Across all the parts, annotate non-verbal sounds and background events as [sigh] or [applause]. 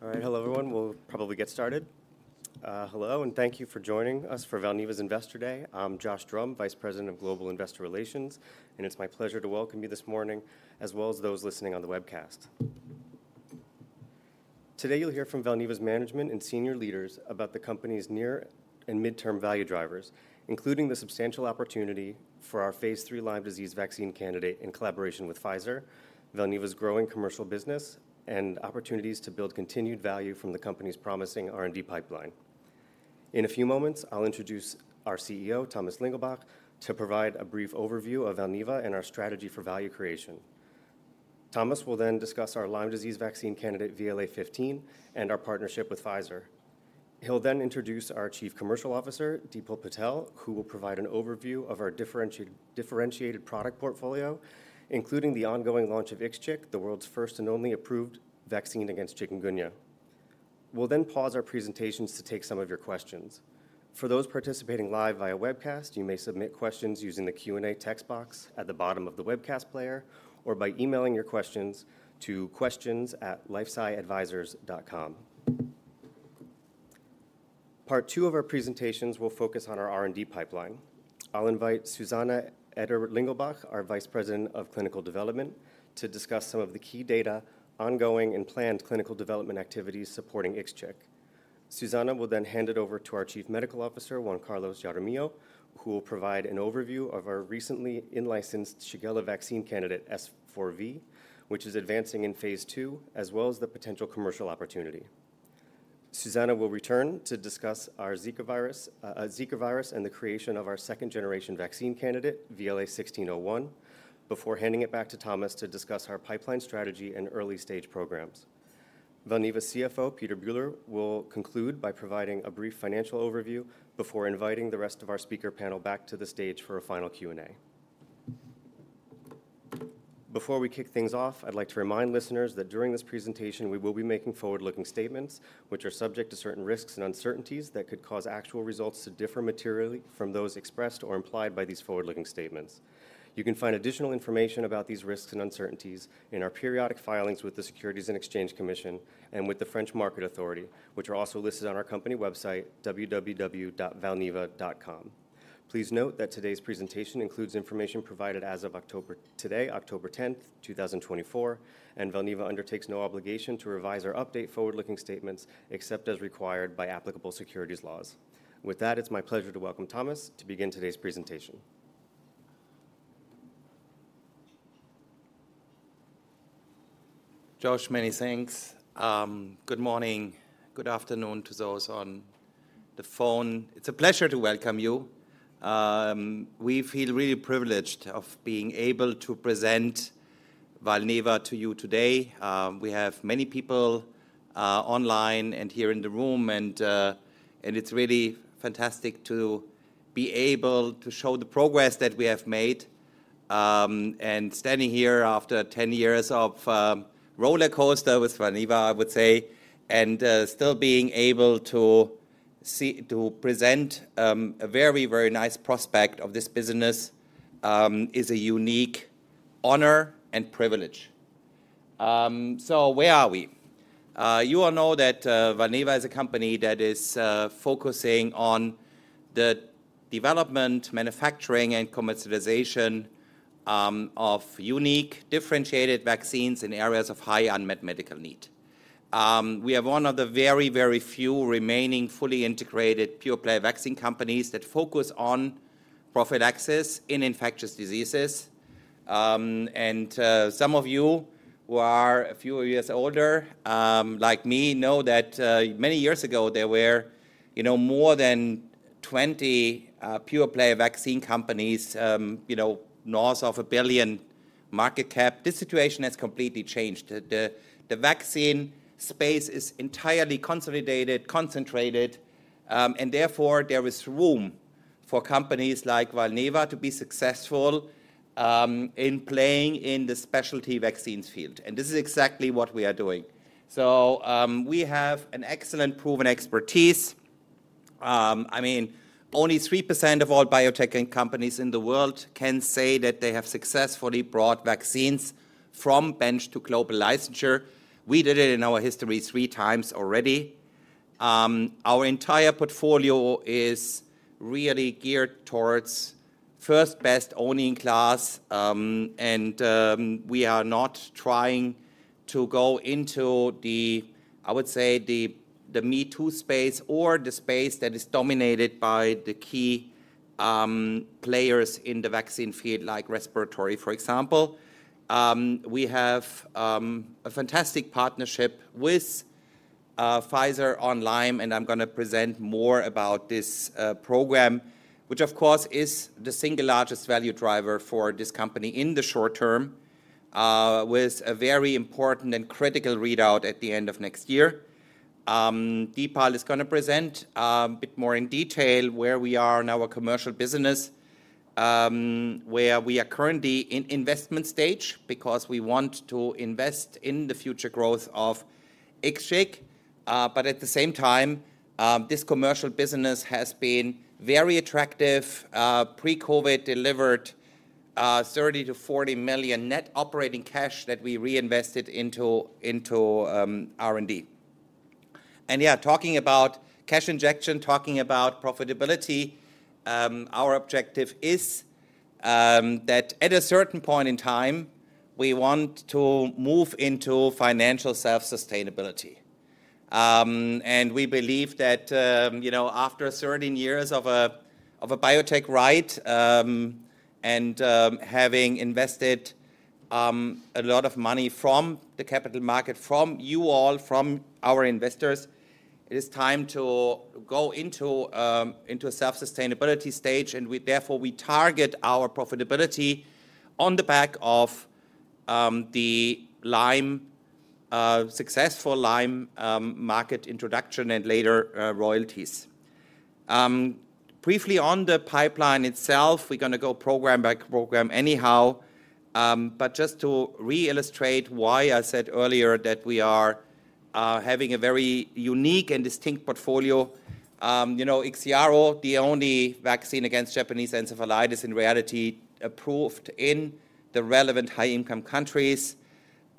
All right, hello, everyone. We'll probably get started. Hello, and thank you for joining us for Valneva's Investor Day. I'm Josh Drumm, Vice President of Global Investor Relations, and it's my pleasure to welcome you this morning, as well as those listening on the webcast. Today you'll hear from Valneva's management and senior leaders about the company's near and midterm value drivers, including the substantial opportunity for our phase three Lyme disease vaccine candidate in collaboration with Pfizer, Valneva's growing commercial business, and opportunities to build continued value from the company's promising R&D pipeline. In a few moments, I'll introduce our CEO, Thomas Lingelbach, to provide a brief overview of Valneva and our strategy for value creation. Thomas will then discuss our Lyme disease vaccine candidate, VLA15, and our partnership with Pfizer. He'll then introduce our Chief Commercial Officer, Dipal Patel, who will provide an overview of our differentiated product portfolio, including the ongoing launch of Ixchiq, the world's first and only approved vaccine against chikungunya. We'll then pause our presentations to take some of your questions. For those participating live via webcast, you may submit questions using the Q&A text box at the bottom of the webcast player, or by emailing your questions to questions@lifesciadvisors.com. Part two of our presentations will focus on our R&D pipeline. I'll invite Susanne Eder-Lingelbach, our Vice President of Clinical Development, to discuss some of the key data, ongoing, and planned clinical development activities supporting Ixchiq. Susanne will then hand it over to our Chief Medical Officer, Juan-Carlos Jaramillo, who will provide an overview of our recently in-licensed Shigella vaccine candidate, S4V, which is advancing in phase two, as well as the potential commercial opportunity. Susanne will return to discuss our Zika virus and the creation of our second-generation vaccine candidate, VLA1601, before handing it back to Thomas to discuss our pipeline strategy and early-stage programs. Valneva's CFO, Peter Bühler, will conclude by providing a brief financial overview before inviting the rest of our speaker panel back to the stage for a final Q&A. Before we kick things off, I'd like to remind listeners that during this presentation, we will be making forward-looking statements, which are subject to certain risks and uncertainties that could cause actual results to differ materially from those expressed or implied by these forward-looking statements. You can find additional information about these risks and uncertainties in our periodic filings with the Securities and Exchange Commission and with the Autorité des Marchés Financiers, which are also listed on our company website, www.valneva.com. Please note that today's presentation includes information provided as of today, October 10th, 2024, and Valneva undertakes no obligation to revise or update forward-looking statements except as required by applicable securities laws. With that, it's my pleasure to welcome Thomas to begin today's presentation. Josh, many thanks. Good morning. Good afternoon to those on the phone. It's a pleasure to welcome you. We feel really privileged of being able to present Valneva to you today. We have many people online and here in the room, and it's really fantastic to be able to show the progress that we have made, and standing here after 10 years of roller coaster with Valneva, I would say, and still being able to present a very, very nice prospect of this business is a unique honor and privilege, so where are we? You all know that Valneva is a company that is focusing on the development, manufacturing, and commercialization of unique, differentiated vaccines in areas of high unmet medical need. We are one of the very, very few remaining fully integrated pure-player vaccine companies that focus on prophylaxis in infectious diseases. And some of you who are a few years older, like me, know that many years ago, there were more than 20 pure-player vaccine companies north of a billion market cap. This situation has completely changed. The vaccine space is entirely consolidated, concentrated, and therefore there is room for companies like Valneva to be successful in playing in the specialty vaccines field. And this is exactly what we are doing. So we have an excellent proven expertise. I mean, only 3% of all biotech companies in the world can say that they have successfully brought vaccines from bench to global licensure. We did it in our history three times already. Our entire portfolio is really geared towards first-best-in-class, and we are not trying to go into, I would say, the me-too space or the space that is dominated by the key players in the vaccine field, like respiratory, for example. We have a fantastic partnership with Pfizer on Lyme, and I'm going to present more about this program, which, of course, is the single largest value driver for this company in the short term, with a very important and critical readout at the end of next year. Dipal is going to present a bit more in detail where we are in our commercial business, where we are currently in investment stage because we want to invest in the future growth of Ixchiq. But at the same time, this commercial business has been very attractive, pre-COVID delivered 30 million-40 million net operating cash that we reinvested into R&D. Yeah, talking about cash injection, talking about profitability, our objective is that at a certain point in time, we want to move into financial self-sustainability. We believe that after 13 years of a biotech ride and having invested a lot of money from the capital market, from you all, from our investors, it is time to go into a self-sustainability stage, and therefore we target our profitability on the back of the successful Lyme market introduction and later royalties. Briefly on the pipeline itself, we're going to go program by program anyhow, but just to reillustrate why I said earlier that we are having a very unique and distinct portfolio. Ixiaro, the only vaccine against Japanese encephalitis in reality approved in the relevant high-income countries.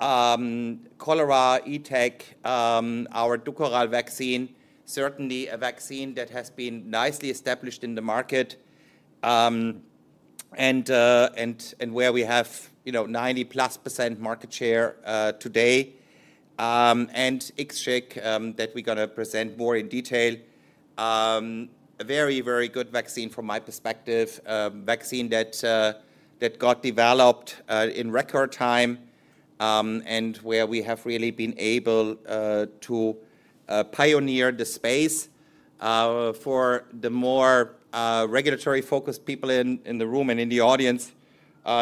Cholera, ETEC, our Dukoral vaccine, certainly a vaccine that has been nicely established in the market and where we have 90-plus% market share today. Ixchiq that we're going to present more in detail. A very, very good vaccine from my perspective, a vaccine that got developed in record time and where we have really been able to pioneer the space. For the more regulatory-focused people in the room and in the audience,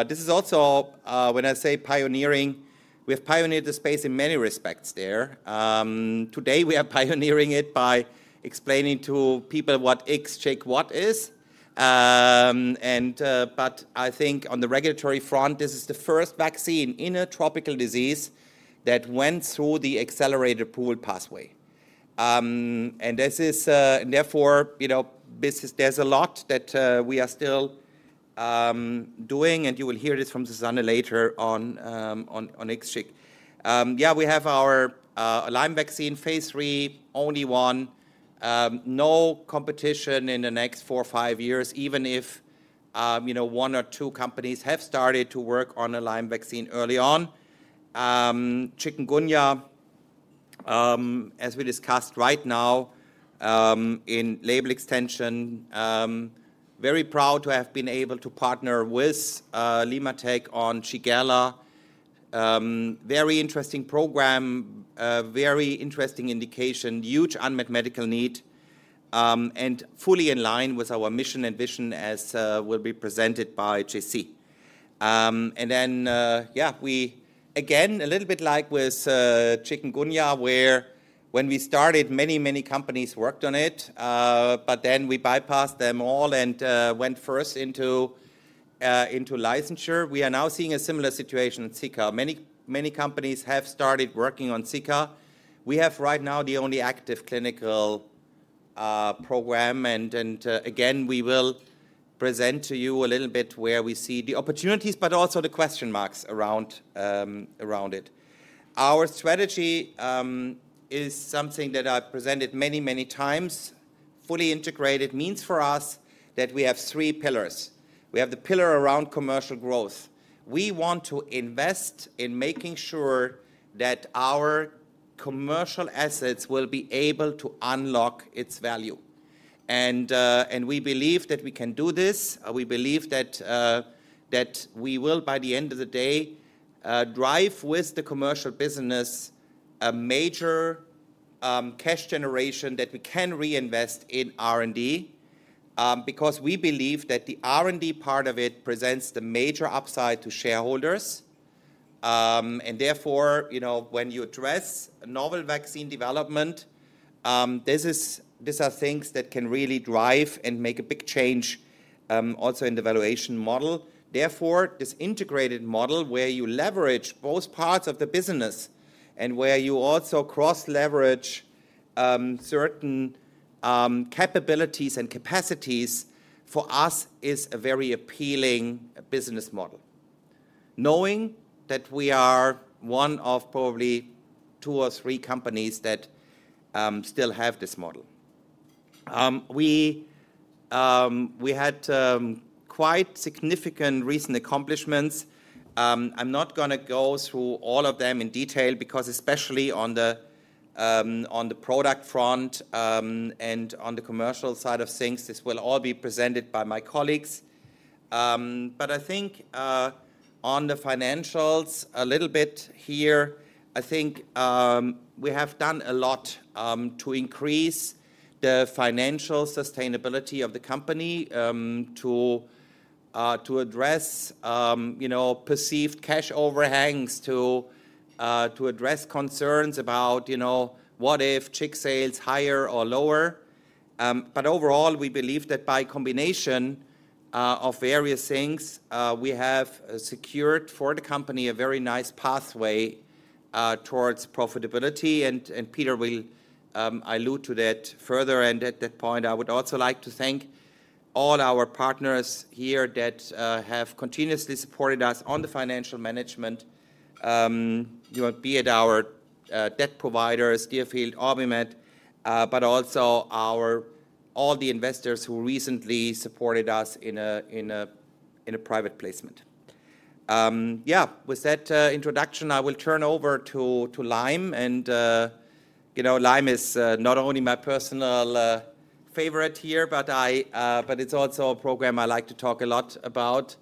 this is also when I say pioneering, we have pioneered the space in many respects there. Today we are pioneering it by explaining to people what Ixchiq is. But I think on the regulatory front, this is the first vaccine in a tropical disease that went through the accelerated approval pathway. Therefore, there's a lot that we are still doing, and you will hear this from Susanne later on Ixchiq. Yeah, we have our Lyme vaccine, phase three, only one, no competition in the next four or five years, even if one or two companies have started to work on a Lyme vaccine early on. Chikungunya, as we discussed right now in label extension. Very proud to have been able to partner with LimmaTech on Shigella. Very interesting program, very interesting indication, huge unmet medical need, and fully in line with our mission and vision as will be presented by JC. And then, yeah, we again, a little bit like with Chikungunya, where when we started, many, many companies worked on it, but then we bypassed them all and went first into licensure. We are now seeing a similar situation in Zika. Many, many companies have started working on Zika. We have right now the only active clinical program, and again, we will present to you a little bit where we see the opportunities, but also the question marks around it. Our strategy is something that I've presented many, many times. Fully integrated means for us that we have three pillars. We have the pillar around commercial growth. We want to invest in making sure that our commercial assets will be able to unlock its value. And we believe that we can do this. We believe that we will, by the end of the day, drive with the commercial business a major cash generation that we can reinvest in R&D because we believe that the R&D part of it presents the major upside to shareholders. And therefore, when you address novel vaccine development, these are things that can really drive and make a big change also in the valuation model. Therefore, this integrated model where you leverage both parts of the business and where you also cross-leverage certain capabilities and capacities for us is a very appealing business model, knowing that we are one of probably two or three companies that still have this model. We had quite significant recent accomplishments. I'm not going to go through all of them in detail because especially on the product front and on the commercial side of things, this will all be presented by my colleagues. But I think on the financials, a little bit here, I think we have done a lot to increase the financial sustainability of the company to address perceived cash overhangs, to address concerns about what if CHIK sales higher or lower. But overall, we believe that by combination of various things, we have secured for the company a very nice pathway towards profitability. Peter will allude to that further. At that point, I would also like to thank all our partners here that have continuously supported us on the financial management, be it our debt providers, Deerfield, OrbiMed, but also all the investors who recently supported us in a private placement. Yeah, with that introduction, I will turn over to Lyme. Lyme is not only my personal favorite here, but it's also a program I like to talk a lot about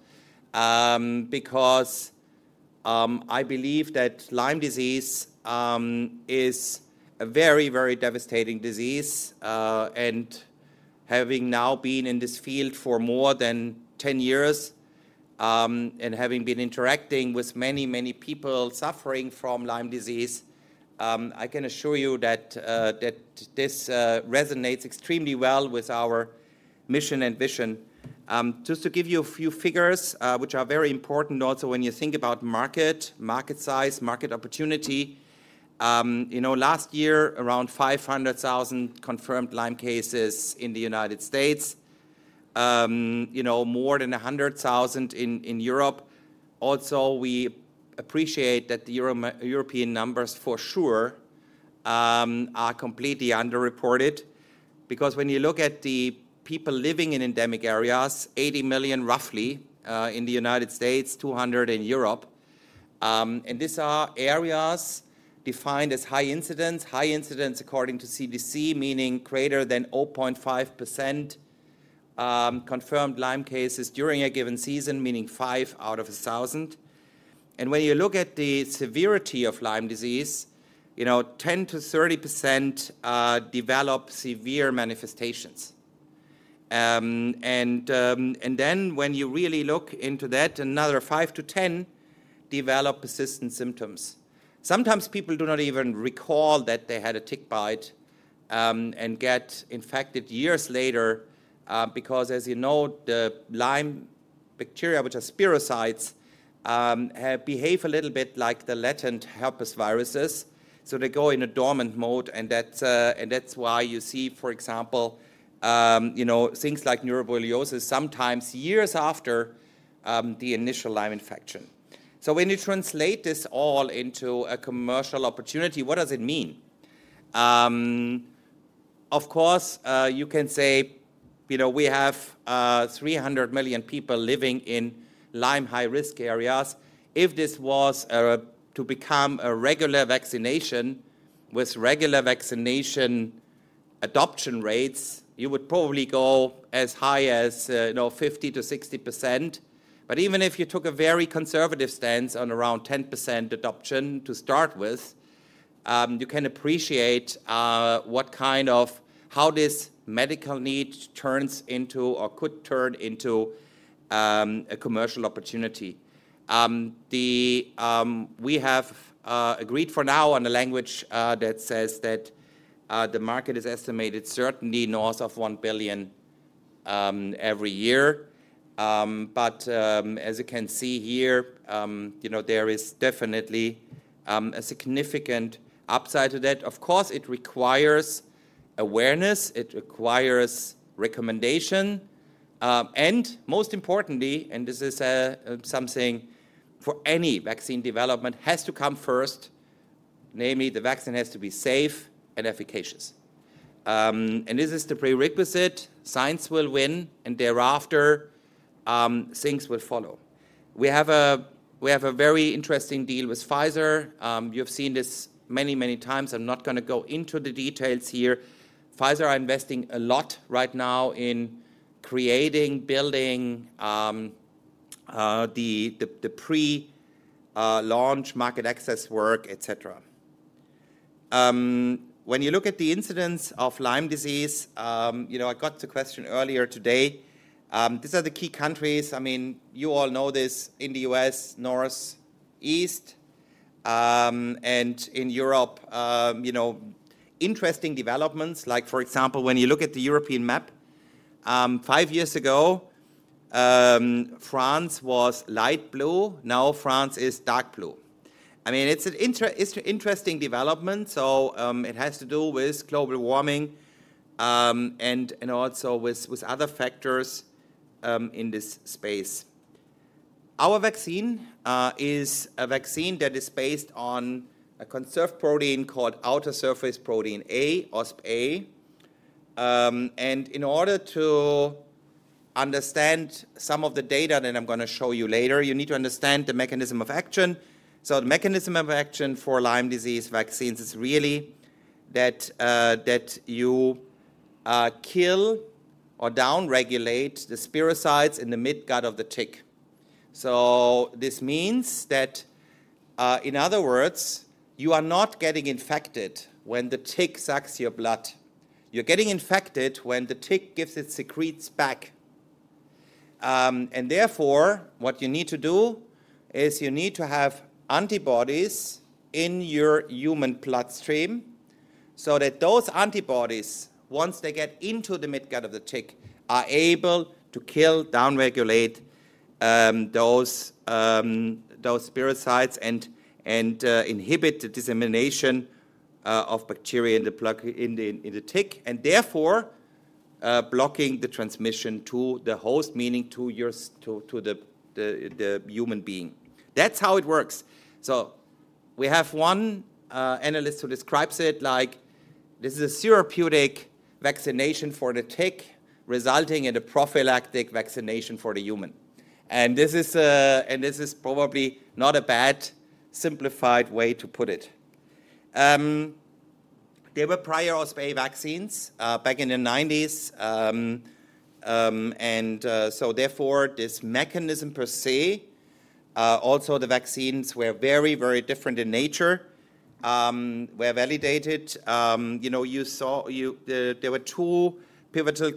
because I believe that Lyme disease is a very, very devastating disease. Having now been in this field for more than 10 years and having been interacting with many, many people suffering from Lyme disease, I can assure you that this resonates extremely well with our mission and vision. Just to give you a few figures which are very important also when you think about market, market size, market opportunity. Last year, around 500,000 confirmed Lyme cases in the United States, more than 100,000 in Europe. Also, we appreciate that the European numbers for sure are completely underreported because when you look at the people living in endemic areas, 80 million roughly in the United States, 200 million in Europe, and these are areas defined as high incidence, high incidence according to CDC, meaning greater than 0.5% confirmed Lyme cases during a given season, meaning five out of a 1000, and when you look at the severity of Lyme disease, 10%-30% develop severe manifestations, and then when you really look into that, another 5%-10% develop persistent symptoms. Sometimes people do not even recall that they had a tick bite and get infected years later because, as you know, the Lyme bacteria, which are spirochetes, behave a little bit like the latent herpes viruses. So they go in a dormant mode, and that's why you see, for example, things like neuroborreliosis sometimes years after the initial Lyme infection. So when you translate this all into a commercial opportunity, what does it mean? Of course, you can say we have 300 million people living in Lyme high-risk areas. If this was to become a regular vaccination with regular vaccination adoption rates, you would probably go as high as 50%-60%. But even if you took a very conservative stance on around 10% adoption to start with, you can appreciate how this medical need turns into or could turn into a commercial opportunity. We have agreed for now on a language that says that the market is estimated certainly north of 1 billion every year. But as you can see here, there is definitely a significant upside to that. Of course, it requires awareness. It requires recommendation. And most importantly, and this is something for any vaccine development, has to come first, namely the vaccine has to be safe and efficacious. And this is the prerequisite. Science will win, and thereafter things will follow. We have a very interesting deal with Pfizer. You have seen this many, many times. I'm not going to go into the details here. Pfizer are investing a lot right now in creating, building the pre-launch market access work, etc. When you look at the incidence of Lyme disease, I got the question earlier today. These are the key countries. I mean, you all know this in the U.S., North, East, and in Europe. Interesting developments, like for example, when you look at the European map, five years ago, France was light blue. Now France is dark blue. I mean, it's an interesting development. So it has to do with global warming and also with other factors in this space. Our vaccine is a vaccine that is based on a conserved protein called outer surface protein A, OspA. And in order to understand some of the data that I'm going to show you later, you need to understand the mechanism of action. So the mechanism of action for Lyme disease vaccines is really that you kill or downregulate the spirochetes in the midgut of the tick. So this means that, in other words, you are not getting infected when the tick sucks your blood. You're getting infected when the tick gives its secretions back. Therefore, what you need to do is you need to have antibodies in your human bloodstream so that those antibodies, once they get into the midgut of the tick, are able to kill, downregulate those spirochetes and inhibit the dissemination of bacteria in the tick, and therefore block the transmission to the host, meaning to the human being. That's how it works. We have one analyst who describes it like this is a therapeutic vaccination for the tick resulting in a prophylactic vaccination for the human. This is probably not a bad simplified way to put it. There were prior OspA vaccines back in the 1990s. Therefore, this mechanism per say, also the vaccines were very, very different in nature, were validated. There were two pivotal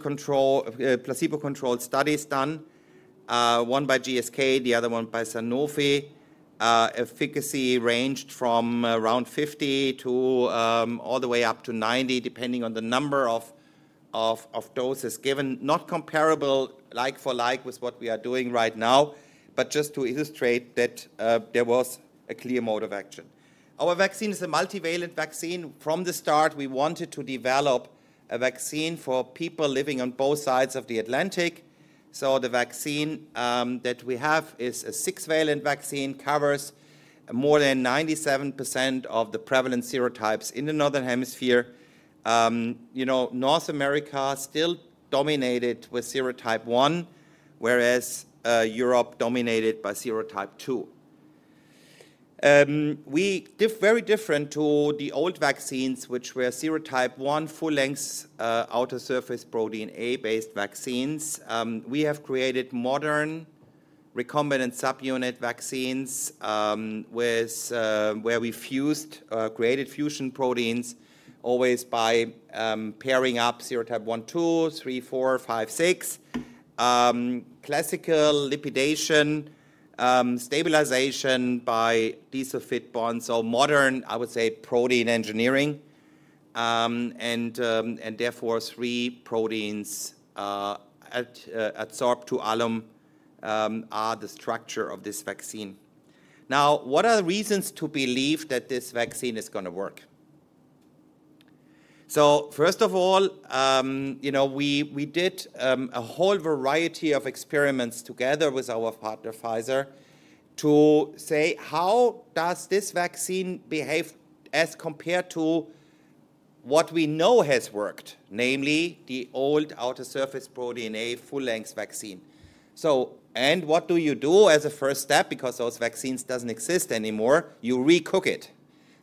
placebo-controlled studies done, one by GSK, the other one by Sanofi. Efficacy ranged from around 50 to all the way up to 90, depending on the number of doses given, not comparable like for like with what we are doing right now, but just to illustrate that there was a clear mode of action. Our vaccine is a multivalent vaccine. From the start, we wanted to develop a vaccine for people living on both sides of the Atlantic. So the vaccine that we have is a six-valent vaccine, covers more than 97% of the prevalent serotypes in the northern hemisphere. North America still dominated with serotype 1, whereas Europe dominated by serotype 2. We are very different from the old vaccines, which were serotype 1 full-length outer surface protein A-based vaccines. We have created modern recombinant subunit vaccines where we created fusion proteins always by pairing up serotype 1, 2, 3, 4, 5, 6, classical lipidation stabilization by disulfide bonds. So modern, I would say, protein engineering. And therefore, three proteins adsorbed to alum are the structure of this vaccine. Now, what are the reasons to believe that this vaccine is going to work? So first of all, we did a whole variety of experiments together with our partner, Pfizer, to say, how does this vaccine behave as compared to what we know has worked, namely the old outer surface protein A full-length vaccine? And what do you do as a first step? Because those vaccines don't exist anymore, you recook it.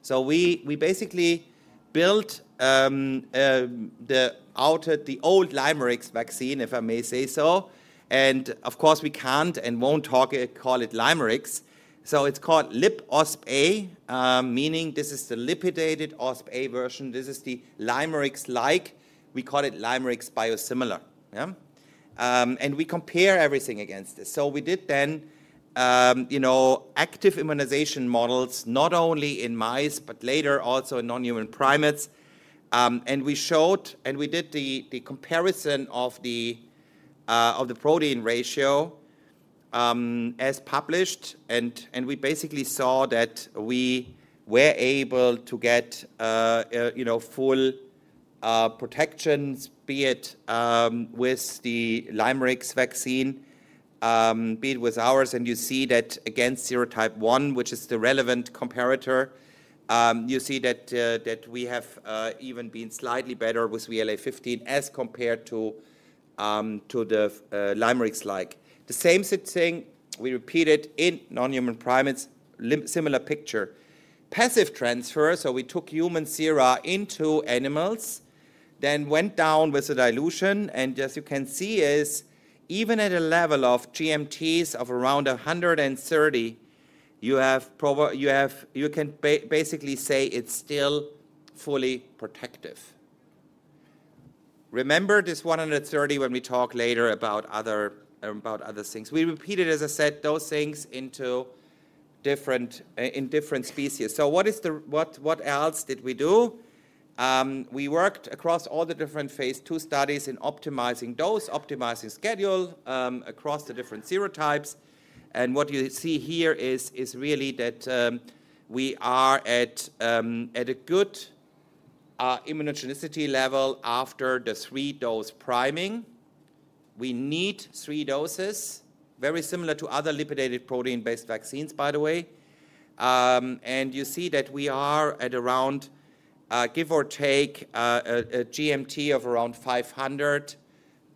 So we basically built the old LYMErix vaccine, if I may say so. And of course, we can't and won't call it LYMErix. It's called Lip OspA, meaning this is the lipidated OspA version. This is the LYMErix-like. We call it LYMErix biosimilar. We compare everything against this. We did then active immunization models, not only in mice, but later also in non-human primates. We showed and we did the comparison of the protein ratio as published. We basically saw that we were able to get full protections, be it with the LYMErix vaccine, be it with ours. You see that against serotype one, which is the relevant comparator. You see that we have even been slightly better with VLA15 as compared to the LYMErix-like. The same thing, we repeated in non-human primates, similar picture. Passive transfer, so we took human sera into animals, then went down with the dilution. As you can see, even at a level of GMTs of around 130, you can basically say it's still fully protective. Remember this 130 when we talk later about other things. We repeated, as I said, those things in different species. What else did we do? We worked across all the different phase two studies in optimizing dose, optimizing schedule across the different serotypes. What you see here is really that we are at a good immunogenicity level after the three-dose priming. We need three doses, very similar to other lipidated protein-based vaccines, by the way. You see that we are at around, give or take, a GMT of around 500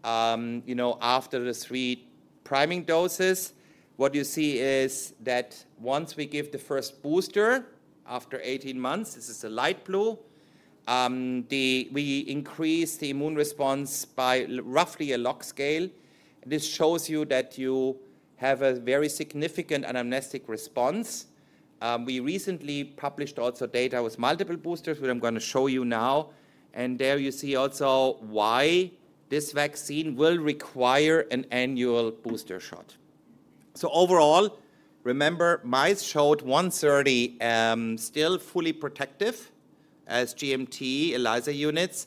after the three priming doses. What you see is that once we give the first booster after 18 months, this is the light blue, we increase the immune response by roughly a log scale. This shows you that you have a very significant anamnestic response. We recently published also data with multiple boosters, which I'm going to show you now, and there you see also why this vaccine will require an annual booster shot, so overall, remember, mice showed 130, still fully protective as GMT ELISA units.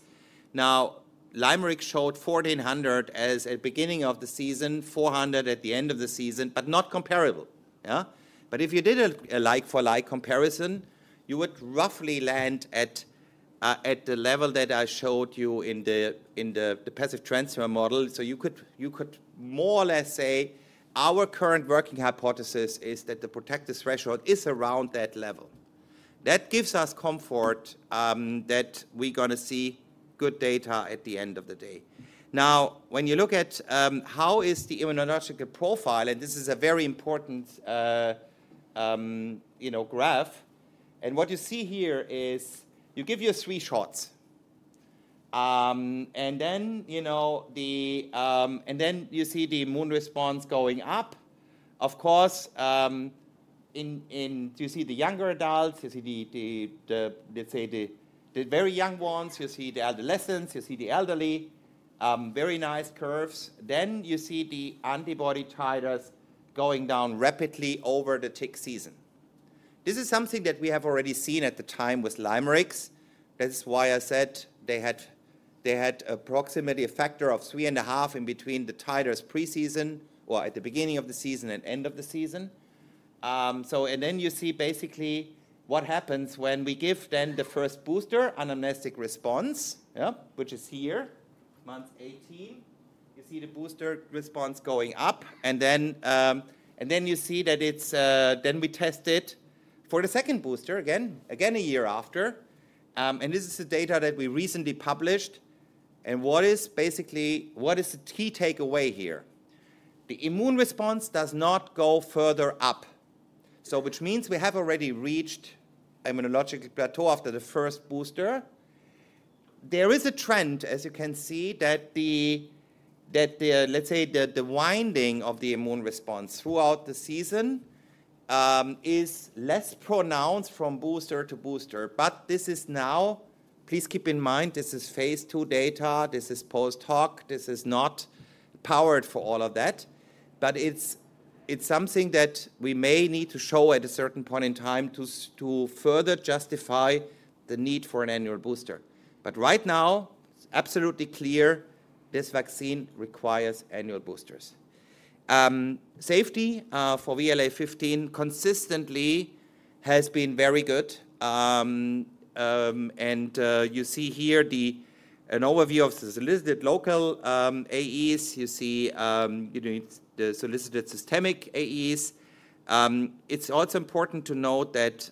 Now, LYMErix showed 1400 as at beginning of the season, 400 at the end of the season, but not comparable, but if you did a like-for-like comparison, you would roughly land at the level that I showed you in the passive transfer model, so you could more or less say our current working hypothesis is that the protective threshold is around that level. That gives us comfort that we're going to see good data at the end of the day. Now, when you look at how is the immunological profile, and this is a very important graph. And what you see here is you give your three shots. And then you see the immune response going up. Of course, you see the younger adults. You see the, let's say, the very young ones. You see the adolescents. You see the elderly. Very nice curves. Then you see the antibody titers going down rapidly over the tick season. This is something that we have already seen at the time with LYMErix. That's why I said they had approximately a factor of three and a half in between the titers preseason or at the beginning of the season and end of the season. And then you see basically what happens when we give then the first booster anamnestic response, which is here, month 18. You see the booster response going up. Then you see that it's, then we test it for the second booster again a year after. This is the data that we recently published. Basically, what is the key takeaway here? The immune response does not go further up, which means we have already reached immunologically plateau after the first booster. There is a trend, as you can see, that, let's say, the waning of the immune response throughout the season is less pronounced from booster to booster. But this is now, please keep in mind, this is phase two data. This is post hoc. This is not powered for all of that. But it's something that we may need to show at a certain point in time to further justify the need for an annual booster. But right now, it's absolutely clear this vaccine requires annual boosters. Safety for VLA15 consistently has been very good. You see here an overview of the solicited local AEs. You see the solicited systemic AEs. It's also important to note that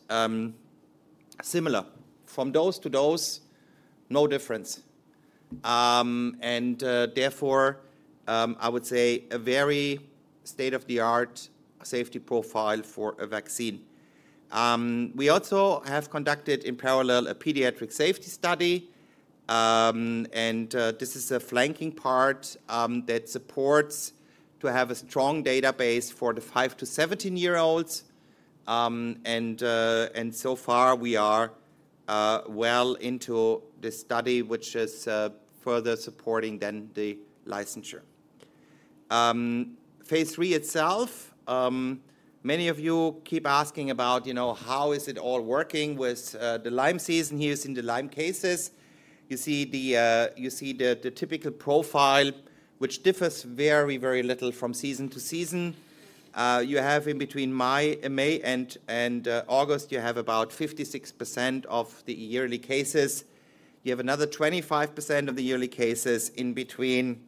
similar from dose to dose, no difference. Therefore, I would say a very state-of-the-art safety profile for a vaccine. We also have conducted in parallel a pediatric safety study. This is a flanking part that supports to have a strong database for the five to 17-year-olds. So far, we are well into the study, which is further supporting than the licensure. Phase three itself, many of you keep asking about how is it all working with the Lyme season. Here's in the Lyme cases. You see the typical profile, which differs very, very little from season to season. You have in between May and August, you have about 56% of the yearly cases. You have another 25% of the yearly cases in between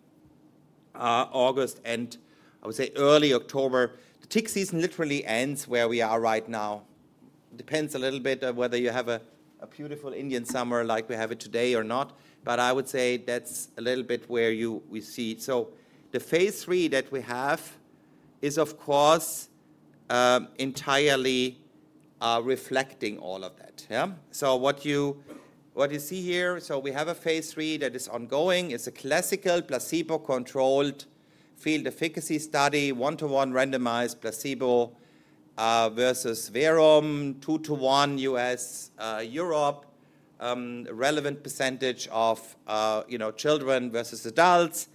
August and, I would say, early October. The tick season literally ends where we are right now. It depends a little bit on whether you have a beautiful Indian summer like we have it today or not. But I would say that's a little bit where we see. So the phase three that we have is, of course, entirely reflecting all of that. So what you see here, so we have a phase three that is ongoing. It's a classical placebo-controlled field efficacy study, one-to-one randomized placebo versus Verum, two-to-one U.S.-Europe, relevant percentage of children versus adults,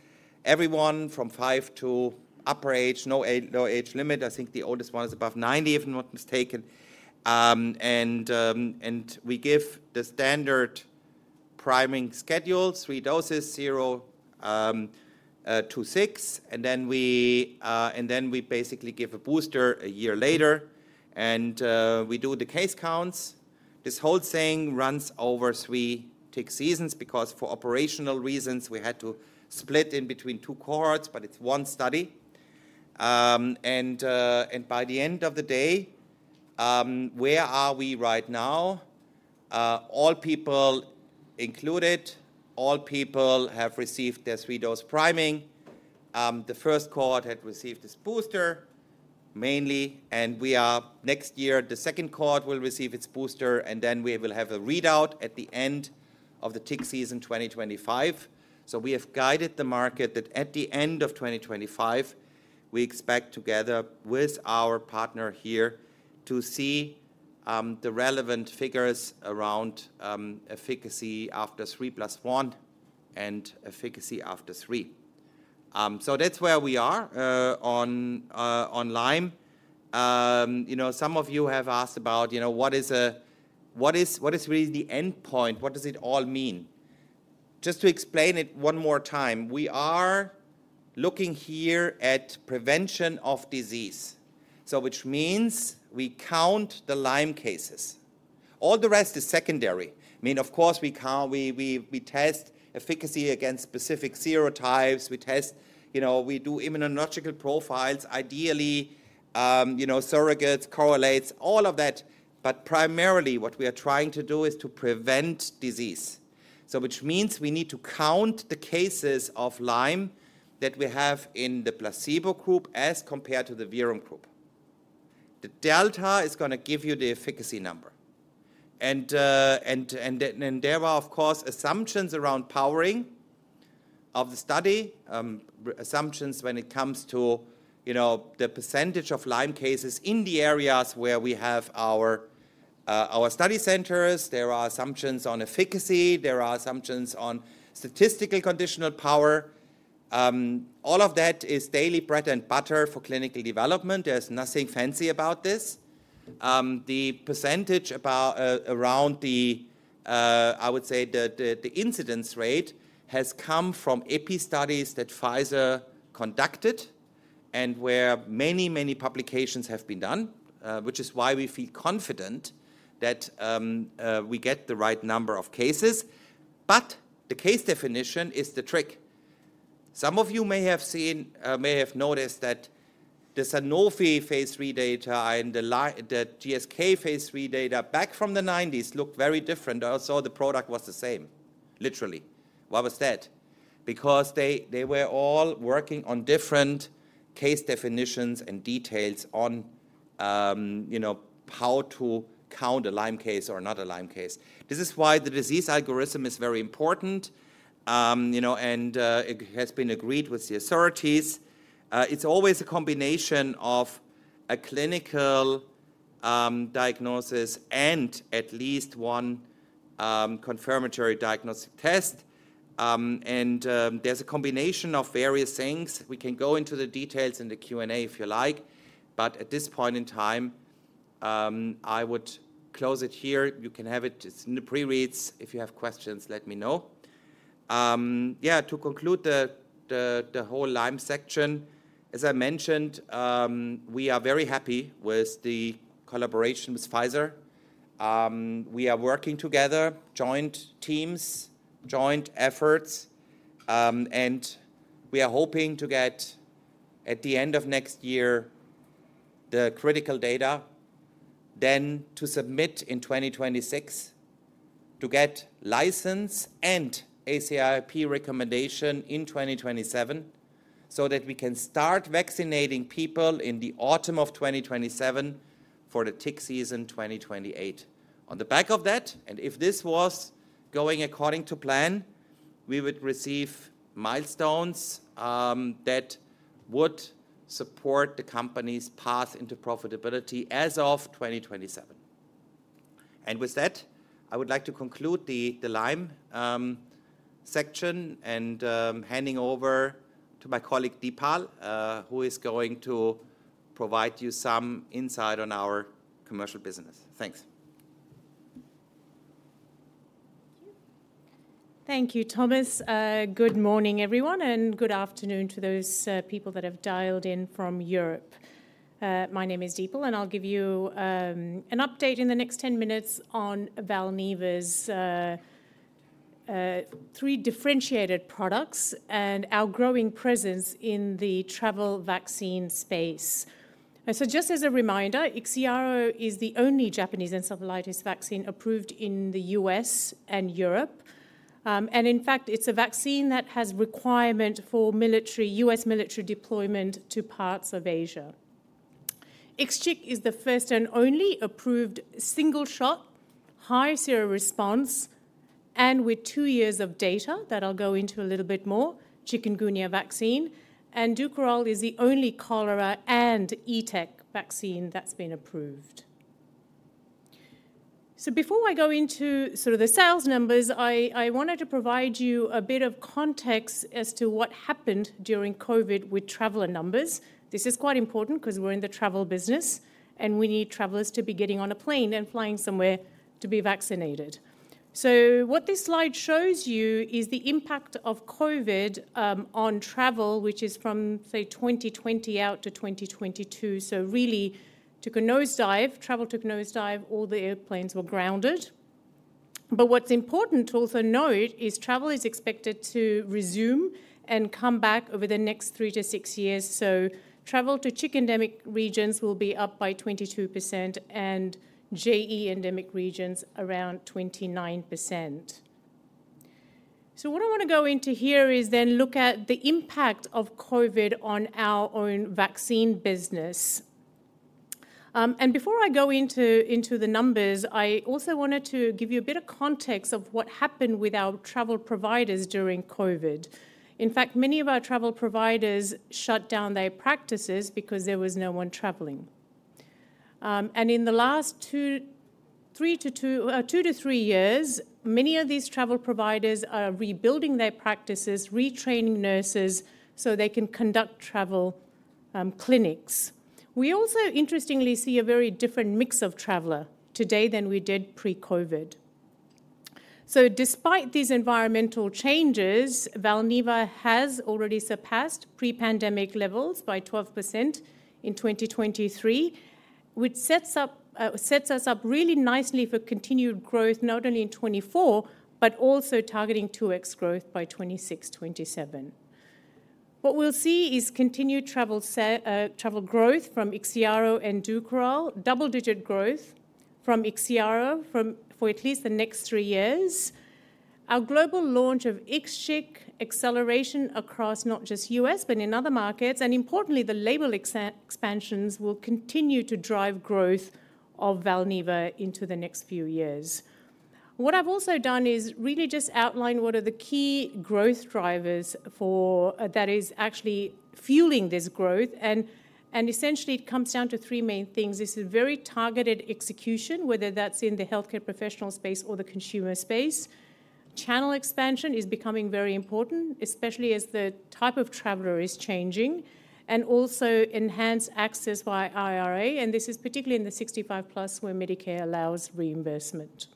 everyone from five to upper age, no age limit. I think the oldest one is above 90, if not mistaken, and we give the standard priming schedule, three doses, zero to six, and then we basically give a booster a year later. We do the case counts. This whole thing runs over three tick seasons because for operational reasons, we had to split in between two cohorts, but it's one study. By the end of the day, where are we right now? All people included, all people have received their three-dose priming. The first cohort had received this booster mainly. Next year, the second cohort will receive its booster. Then we will have a readout at the end of the tick season 2025. We have guided the market that at the end of 2025, we expect together with our partner here to see the relevant figures around efficacy after three plus one and efficacy after three. That's where we are on Lyme. Some of you have asked about what is really the endpoint? What does it all mean? Just to explain it one more time, we are looking here at prevention of disease, which means we count the Lyme cases. All the rest is secondary. I mean, of course, we test efficacy against specific serotypes. We do immunological profiles, ideally surrogates, correlates, all of that. But primarily, what we are trying to do is to prevent disease, which means we need to count the cases of Lyme that we have in the placebo group as compared to the Verum group. The delta is going to give you the efficacy number. And there are, of course, assumptions around powering of the study, assumptions when it comes to the percentage of Lyme cases in the areas where we have our study centers. There are assumptions on efficacy. There are assumptions on statistical conditional power. All of that is daily bread and butter for clinical development. There's nothing fancy about this. The percentage around the, I would say, the incidence rate has come from EPI studies that Pfizer conducted and where many, many publications have been done, which is why we feel confident that we get the right number of cases. But the case definition is the trick. Some of you may have noticed that the Sanofi phase three data and the GSK phase three data back from the 1990s looked very different. I saw the product was the same, literally. Why was that? Because they were all working on different case definitions and details on how to count a Lyme case or not a Lyme case. This is why the disease algorithm is very important, and it has been agreed with the authorities. It's always a combination of a clinical diagnosis and at least one confirmatory diagnostic test, and there's a combination of various things. We can go into the details in the Q&A if you like. But at this point in time, I would close it here. You can have it in the pre-reads. If you have questions, let me know. Yeah, to conclude the whole Lyme section, as I mentioned, we are very happy with the collaboration with Pfizer. We are working together, joint teams, joint efforts. And we are hoping to get, at the end of next year, the critical data, then to submit in 2026 to get license and ACIP recommendation in 2027 so that we can start vaccinating people in the autumn of 2027 for the tick season 2028. On the back of that, and if this was going according to plan, we would receive milestones that would support the company's path into profitability as of 2027. With that, I would like to conclude the Lyme section and handing over to my colleague Dipal, who is going to provide you some insight on our commercial business. Thanks. Thank you. Thank you, Thomas. Good morning, everyone, and good afternoon to those people that have dialed in from Europe. My name is Dipal, and I'll give you an update in the next 10 minutes on Valneva's three differentiated products and our growing presence in the travel vaccine space. Just as a reminder, Ixiaro is the only Japanese encephalitis vaccine approved in the U.S. and Europe. In fact, it's a vaccine that has requirement for U.S. military deployment to parts of Asia. Ixchiq is the first and only approved single shot, high serum response, and with two years of data that I'll go into a little bit more, chikungunya vaccine. Dukoral is the only cholera and ETEC vaccine that's been approved. Before I go into sort of the sales numbers, I wanted to provide you a bit of context as to what happened during COVID with traveler numbers. This is quite important because we're in the travel business, and we need travelers to be getting on a plane and flying somewhere to be vaccinated. What this slide shows you is the impact of COVID on travel, which is from, say, 2020 out to 2022. Really, travel took a nosedive. All the airplanes were grounded. But what's important to also note is travel is expected to resume and come back over the next three to six years. Travel to chik endemic regions will be up by 22% and JE endemic regions around 29%. So, what I want to go into here is then look at the impact of COVID on our own vaccine business. And before I go into the numbers, I also wanted to give you a bit of context of what happened with our travel providers during COVID. In fact, many of our travel providers shut down their practices because there was no one traveling. And in the last two to three years, many of these travel providers are rebuilding their practices, retraining nurses so they can conduct travel clinics. We also, interestingly, see a very different mix of travelers today than we did pre-COVID. So despite these environmental changes, Valneva has already surpassed pre-pandemic levels by 12% in 2023, which sets us up really nicely for continued growth, not only in 2024, but also targeting 2x growth by 2026, 2027. What we'll see is continued travel growth from Ixiaro and Dukoral, double-digit growth from Ixiaro for at least the next three years. Our global launch of Ixchiq acceleration across not just the U.S., but in other markets, and importantly, the label expansions will continue to drive growth of Valneva into the next few years. What I've also done is really just outline what are the key growth drivers that are actually fueling this growth, and essentially, it comes down to three main things. This is very targeted execution, whether that's in the healthcare professional space or the consumer space. Channel expansion is becoming very important, especially as the type of traveler is changing, and also enhanced access by IRA, and this is particularly in the 65-plus where Medicare allows reimbursement.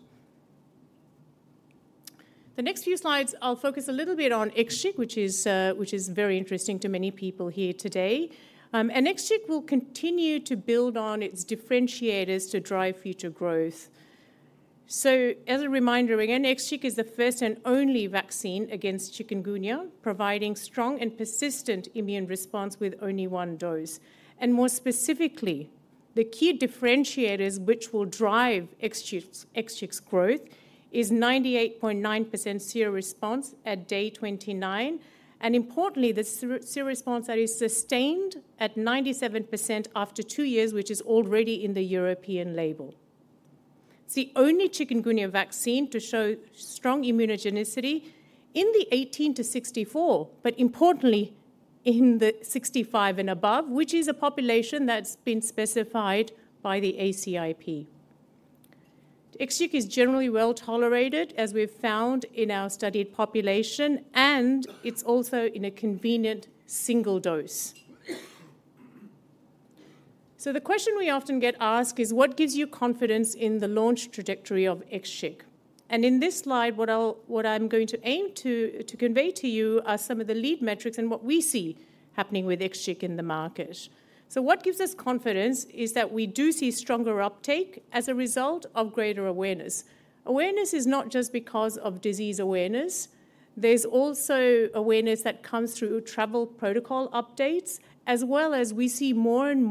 The next few slides, I'll focus a little bit on Ixchiq, which is very interesting to many people here today. Ixchiq will continue to build on its differentiators to drive future growth. As a reminder, again, Ixchiq is the first and only vaccine against chikungunya, providing strong and persistent immune response with only one dose. More specifically, the key differentiators which will drive Ixchiq's growth is 98.9% serum response at day 29. Importantly, the serum response that is sustained at 97% after two years, which is already in the European label. It's the only chikungunya vaccine to show strong immunogenicity in the 18-64, but importantly, in the 65 and above, which is a population that's been specified by the ACIP. Ixchiq is generally well tolerated, as we've found in our studied population. It's also in a convenient single dose. The question we often get asked is, what gives you confidence in the launch trajectory of Ixchiq? In this slide, what I'm going to aim to convey to you are some of the lead metrics and what we see happening with Ixchiq in the market. So what gives us confidence is that we do see stronger uptake as a result of greater awareness. Awareness is not just because of disease awareness. There's also awareness that comes through travel protocol updates, as well as we see more and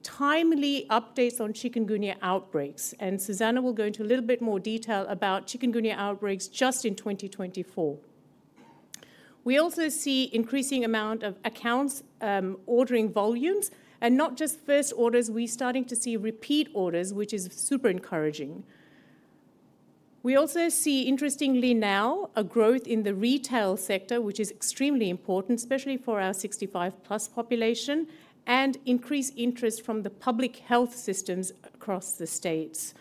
more timely updates on chikungunya outbreaks. And Susanne will go into a little bit more detail about chikungunya outbreaks just in 2024. We also see an increasing amount of accounts ordering volumes. And not just first orders, we're starting to see repeat orders, which is super encouraging. We also see, interestingly now, a growth in the retail sector, which is extremely important, especially for our 65-plus population, and increased interest from the public health systems across the states.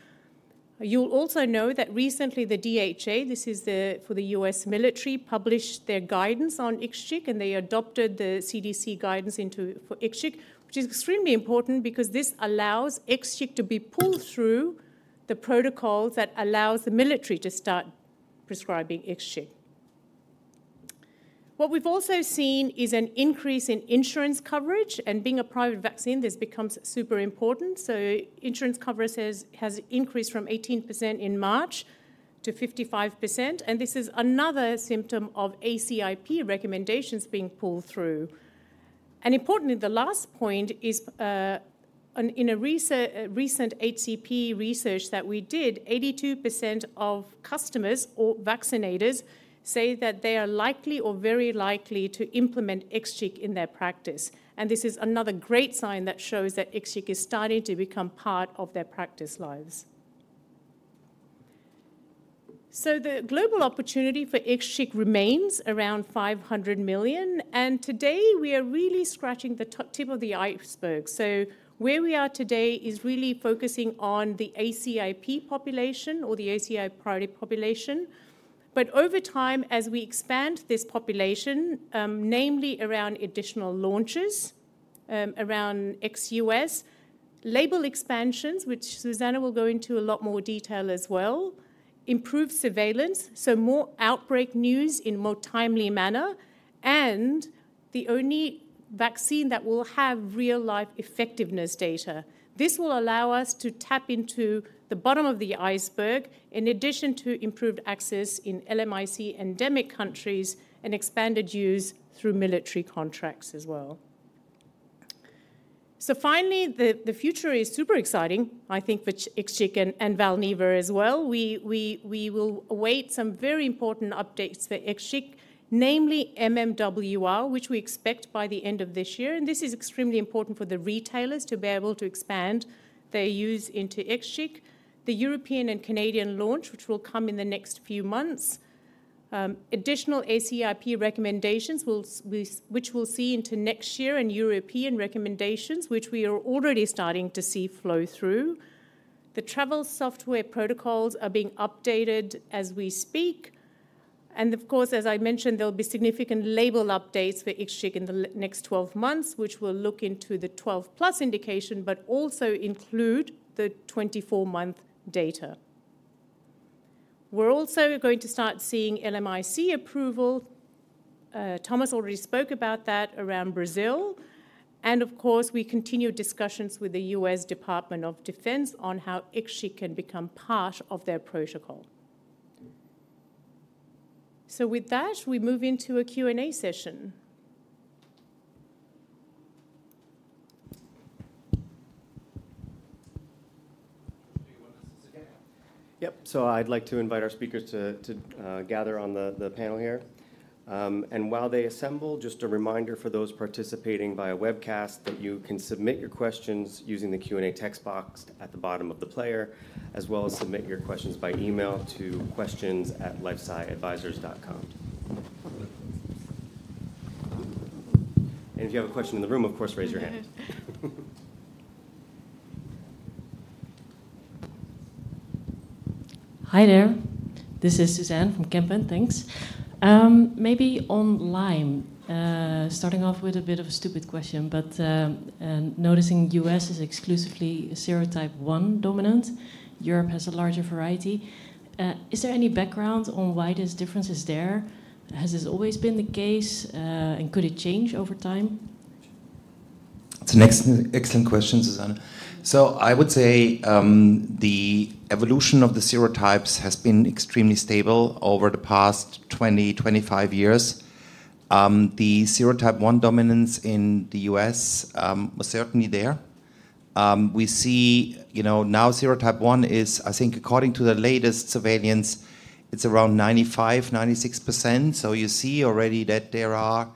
You'll also know that recently, the DHA, this is for the U.S. military, published their guidance on Ixchiq, and they adopted the CDC guidance for Ixchiq, which is extremely important because this allows Ixchiq to be pulled through the protocols that allow the military to start prescribing Ixchiq. What we've also seen is an increase in insurance coverage, and being a private vaccine, this becomes super important, so insurance coverage has increased from 18% in March to 55%, and this is another symptom of ACIP recommendations being pulled through. Importantly, the last point is in a recent HCP research that we did, 82% of customers or vaccinators say that they are likely or very likely to implement Ixchiq in their practice, and this is another great sign that shows that Ixchiq is starting to become part of their practice lives. The global opportunity for Ixchiq remains around 500 million. Today, we are really scratching the tip of the iceberg. Where we are today is really focusing on the ACIP population or the ACIP priority population. Over time, as we expand this population, namely around additional launches, around ex-U.S., label expansions, which Susanne will go into a lot more detail as well, improved surveillance, so more outbreak news in a more timely manner, and the only vaccine that will have real-life effectiveness data. This will allow us to tap into the bottom of the iceberg in addition to improved access in LMIC endemic countries and expanded use through military contracts as well. Finally, the future is super exciting, I think, for Ixchiq and Valneva as well. We will await some very important updates for Ixchiq, namely MMWR, which we expect by the end of this year. This is extremely important for the retailers to be able to expand their use into Ixchiq. The European and Canadian launch, which will come in the next few months, additional ACIP recommendations, which we'll see into next year, and European recommendations, which we are already starting to see flow through. The travel software protocols are being updated as we speak. And of course, as I mentioned, there'll be significant label updates for Ixchiq in the next 12 months, which will look into the 12-plus indication, but also include the 24-month data. We're also going to start seeing LMIC approval. Thomas already spoke about that around Brazil. And of course, we continue discussions with the U.S. Department of Defense on how Ixchiq can become part of their protocol. With that, we move into a Q&A session. Yep. So I'd like to invite our speakers to gather on the panel here. And while they assemble, just a reminder for those participating via webcast that you can submit your questions using the Q&A text box at the bottom of the player, as well as submit your questions by email to questions@lifesciadvisors.com. And if you have a question in the room, of course, raise your hand. Hi there. This is Suzanne from Kempen. Thanks. Maybe on Lyme, starting off with a bit of a stupid question, but noticing US is exclusively serotype 1 dominant. Europe has a larger variety. Is there any background on why this difference is there? Has this always been the case? And could it change over time? It's an excellent question, Suzanne. So I would say the evolution of the serotypes has been extremely stable over the past 20 years-25 years. The serotype 1 dominance in the U.S. was certainly there. We see now serotype 1 is, I think, according to the latest surveillance, it's around 95%-96%. So you see already that there are,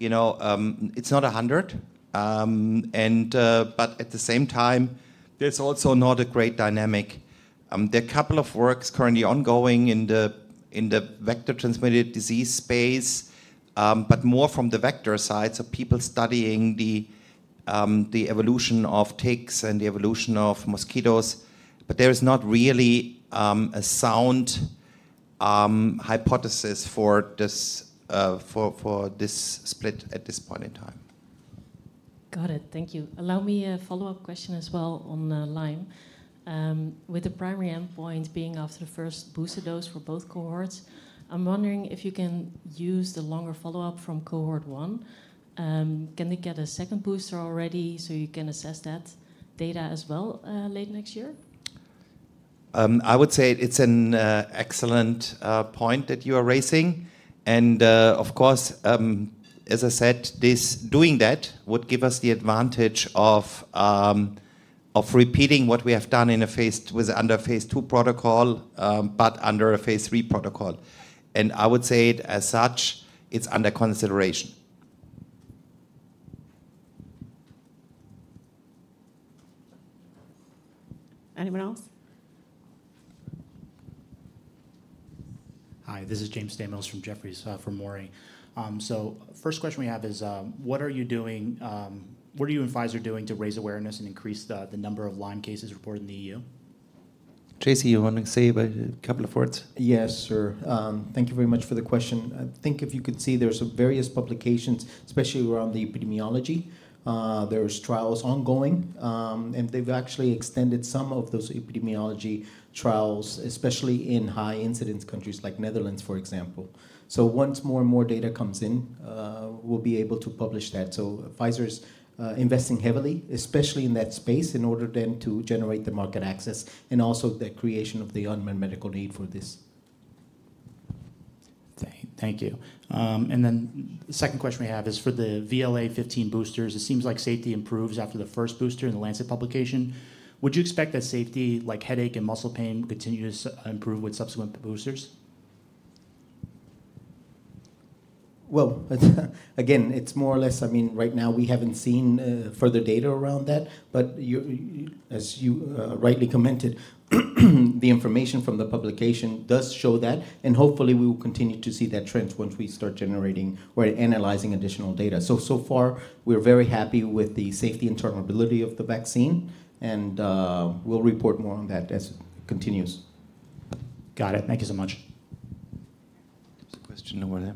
it's not 100%. But at the same time, there's also not a great dynamic. There are a couple of works currently ongoing in the vector transmitted disease space, but more from the vector side. So people studying the evolution of ticks and the evolution of mosquitoes. But there is not really a sound hypothesis for this split at this point in time. Got it. Thank you. Allow me a follow-up question as well on Lyme. With the primary endpoint being after the first booster dose for both cohorts, I'm wondering if you can use the longer follow-up from cohort one. Can they get a second booster already so you can assess that data as well late next year? I would say it's an excellent point that you are raising. And of course, as I said, doing that would give us the advantage of repeating what we have done under phase two protocol, but under a phase three protocol. And I would say it as such, it's under consideration. Anyone else? Hi, this is James Stamos from Jefferies from Maury. So first question we have is, what are you doing? What are you and Pfizer doing to raise awareness and increase the number of Lyme cases reported in the EU? JC, you want to say a couple of words? Yes, sir. Thank you very much for the question. I think if you could see, there's various publications, especially around the epidemiology. There's trials ongoing. And they've actually extended some of those epidemiology trials, especially in high-incidence countries like Netherlands, for example. So once more and more data comes in, we'll be able to publish that. So Pfizer's investing heavily, especially in that space, in order then to generate the market access and also the creation of the unmet medical need for this. Thank you. And then the second question we have is for the VLA15 boosters. It seems like safety improves after the first booster in the Lancet publication. Would you expect that safety, like headache and muscle pain, continues to improve with subsequent boosters? Well, again, it's more or less, I mean, right now, we haven't seen further data around that. But as you rightly commented, the information from the publication does show that. And hopefully, we will continue to see that trend once we start generating or analyzing additional data. So far, we're very happy with the safety and tolerability of the vaccine. And we'll report more on that as it continues. Got it. Thank you so much. There's a question over there.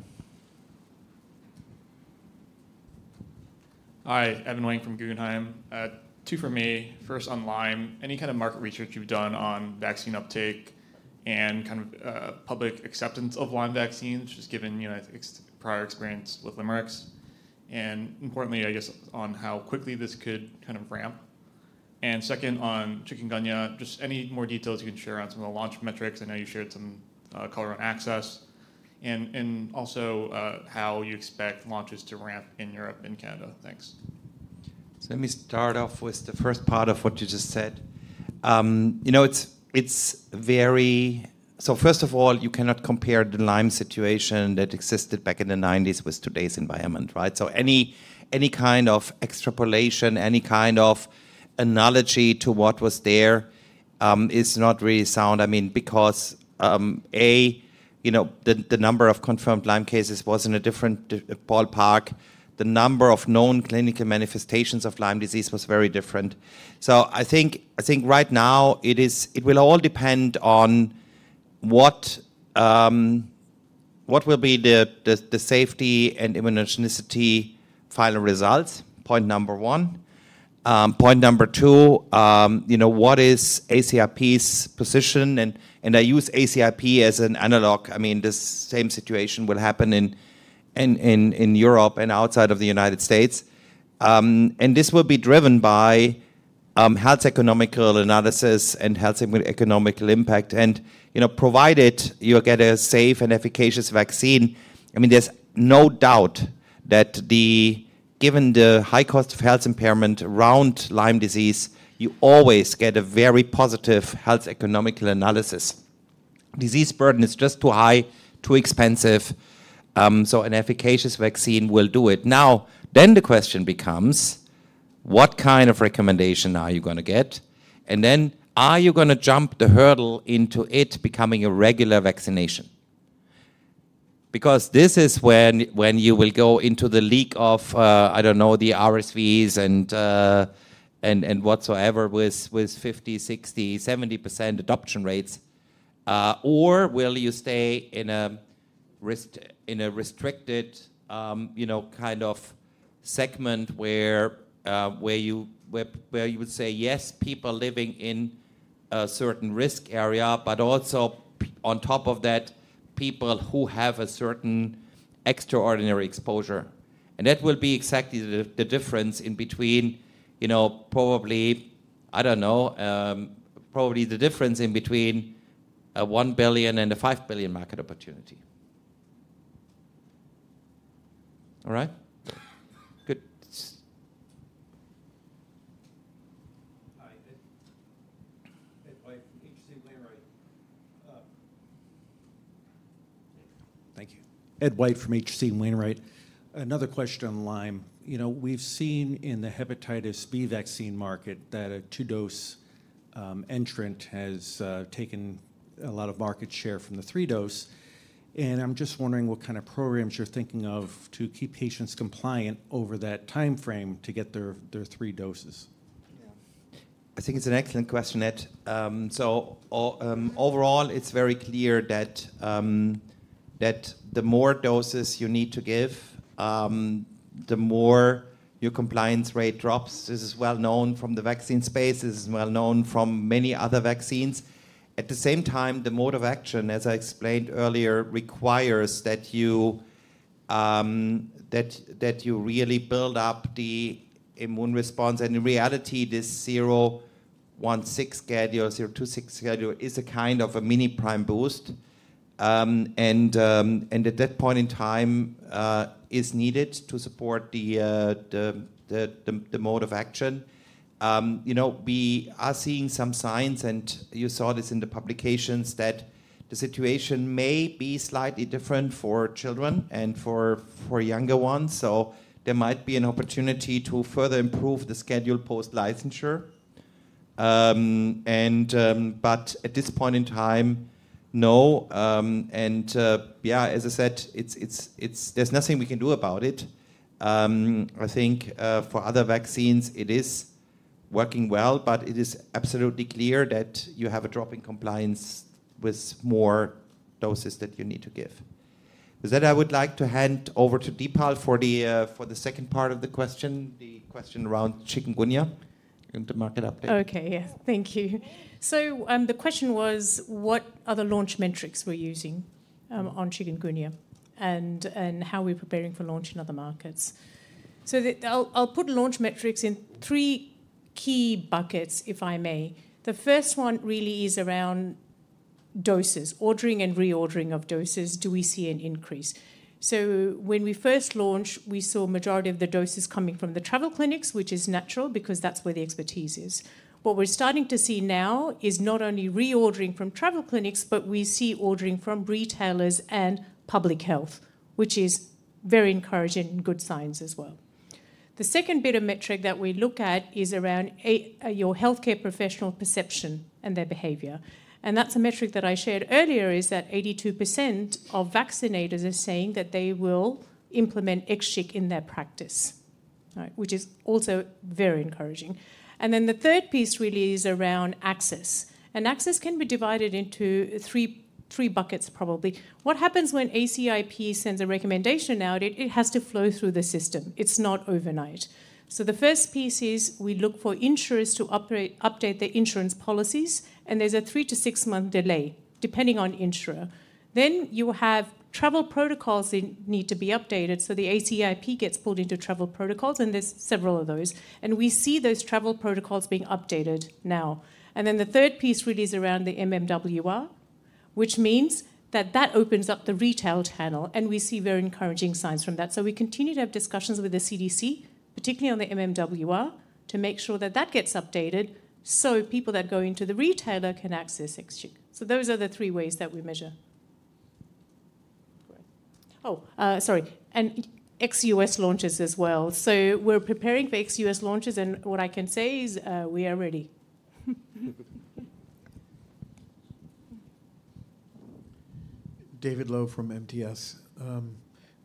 Hi, Evan Wang from Guggenheim. Two from me. First on Lyme, any kind of market research you've done on vaccine uptake and kind of public acceptance of Lyme vaccines, just given prior experience with LYMErix? And importantly, I guess, on how quickly this could kind of ramp? And second, on chikungunya, just any more details you can share on some of the launch metrics? I know you shared some color on access. And also, how you expect launches to ramp in Europe and Canada. Thanks. So let me start off with the first part of what you just said. So first of all, you cannot compare the Lyme situation that existed back in the 1990s with today's environment, right? So any kind of extrapolation, any kind of analogy to what was there is not really sound. I mean, because A, the number of confirmed Lyme cases was in a different ballpark. The number of known clinical manifestations of Lyme disease was very different. So I think right now, it will all depend on what will be the safety and immunogenicity final results, point number one. Point number two, what is ACIP's position? And I use ACIP as an analog. I mean, this same situation will happen in Europe and outside of the United States. And this will be driven by health economic analysis and health economic impact. Provided you get a safe and efficacious vaccine, I mean, there's no doubt that given the high cost of health impairment around Lyme disease, you always get a very positive health economic analysis. Disease burden is just too high, too expensive. An efficacious vaccine will do it. Now, then the question becomes, what kind of recommendation are you going to get? Are you going to jump the hurdle into it becoming a regular vaccination? Because this is when you will go into the league of, I don't know, the RSVs and whatsoever with 50%, 60%, 70% adoption rates. Will you stay in a restricted kind of segment where you would say, yes, people living in a certain risk area, but also on top of that, people who have a certain extraordinary exposure? That will be exactly the difference between probably $1 billion and $5 billion market opportunity. All right? Good. Hi. Ed White from H.C. Wainwright. Thank you. Ed White from H.C. Wainwright. Another question on Lyme. We've seen in the hepatitis B vaccine market that a two-dose entrant has taken a lot of market share from the three-dose, and I'm just wondering what kind of programs you're thinking of to keep patients compliant over that time frame to get their three doses. I think it's an excellent question, Ed. So overall, it's very clear that the more doses you need to give, the more your compliance rate drops. This is well known from the vaccine space. This is well known from many other vaccines. At the same time, the mode of action, as I explained earlier, requires that you really build up the immune response. And in reality, this 0.16 schedule or 0.26 schedule is a kind of a mini prime boost. And at that point in time, it is needed to support the mode of action. We are seeing some signs, and you saw this in the publications, that the situation may be slightly different for children and for younger ones. So there might be an opportunity to further improve the schedule post-licensure. But at this point in time, no. Yeah, as I said, there's nothing we can do about it. I think for other vaccines, it is working well. But it is absolutely clear that you have a drop in compliance with more doses that you need to give. With that, I would like to hand over to Dipal for the second part of the question, the question around chikungunya. You're going to mark it up. Okay. Yeah. Thank you. So the question was, what other launch metrics we're using on chikungunya and how we're preparing for launch in other markets? So I'll put launch metrics in three key buckets, if I may. The first one really is around doses, ordering and reordering of doses. Do we see an increase? So when we first launched, we saw a majority of the doses coming from the travel clinics, which is natural because that's where the expertise is. What we're starting to see now is not only reordering from travel clinics, but we see ordering from retailers and public health, which is very encouraging and good signs as well. The second bit of metric that we look at is around your healthcare professional perception and their behavior. That's a metric that I shared earlier: 82% of vaccinators are saying that they will implement ixchiq in their practice, which is also very encouraging. The third piece really is around access. Access can be divided into three buckets, probably. What happens when ACIP sends a recommendation out? It has to flow through the system. It's not overnight. The first piece is we look for insurers to update their insurance policies. There's a three- to six-month delay, depending on insurer. Travel protocols need to be updated. ACIP gets pulled into travel protocols. There are several of those. We see those travel protocols being updated now. The third piece really is around the MMWR, which means that opens up the retail channel. We see very encouraging signs from that. So we continue to have discussions with the CDC, particularly on the MMWR, to make sure that that gets updated so people that go into the retailer can access Ixchiq. So those are the three ways that we measure. Oh, sorry. And Ixchiq U.S. launches as well. So we're preparing for Ixchiq U.S. launches. And what I can say is we are ready. David Low from MTS.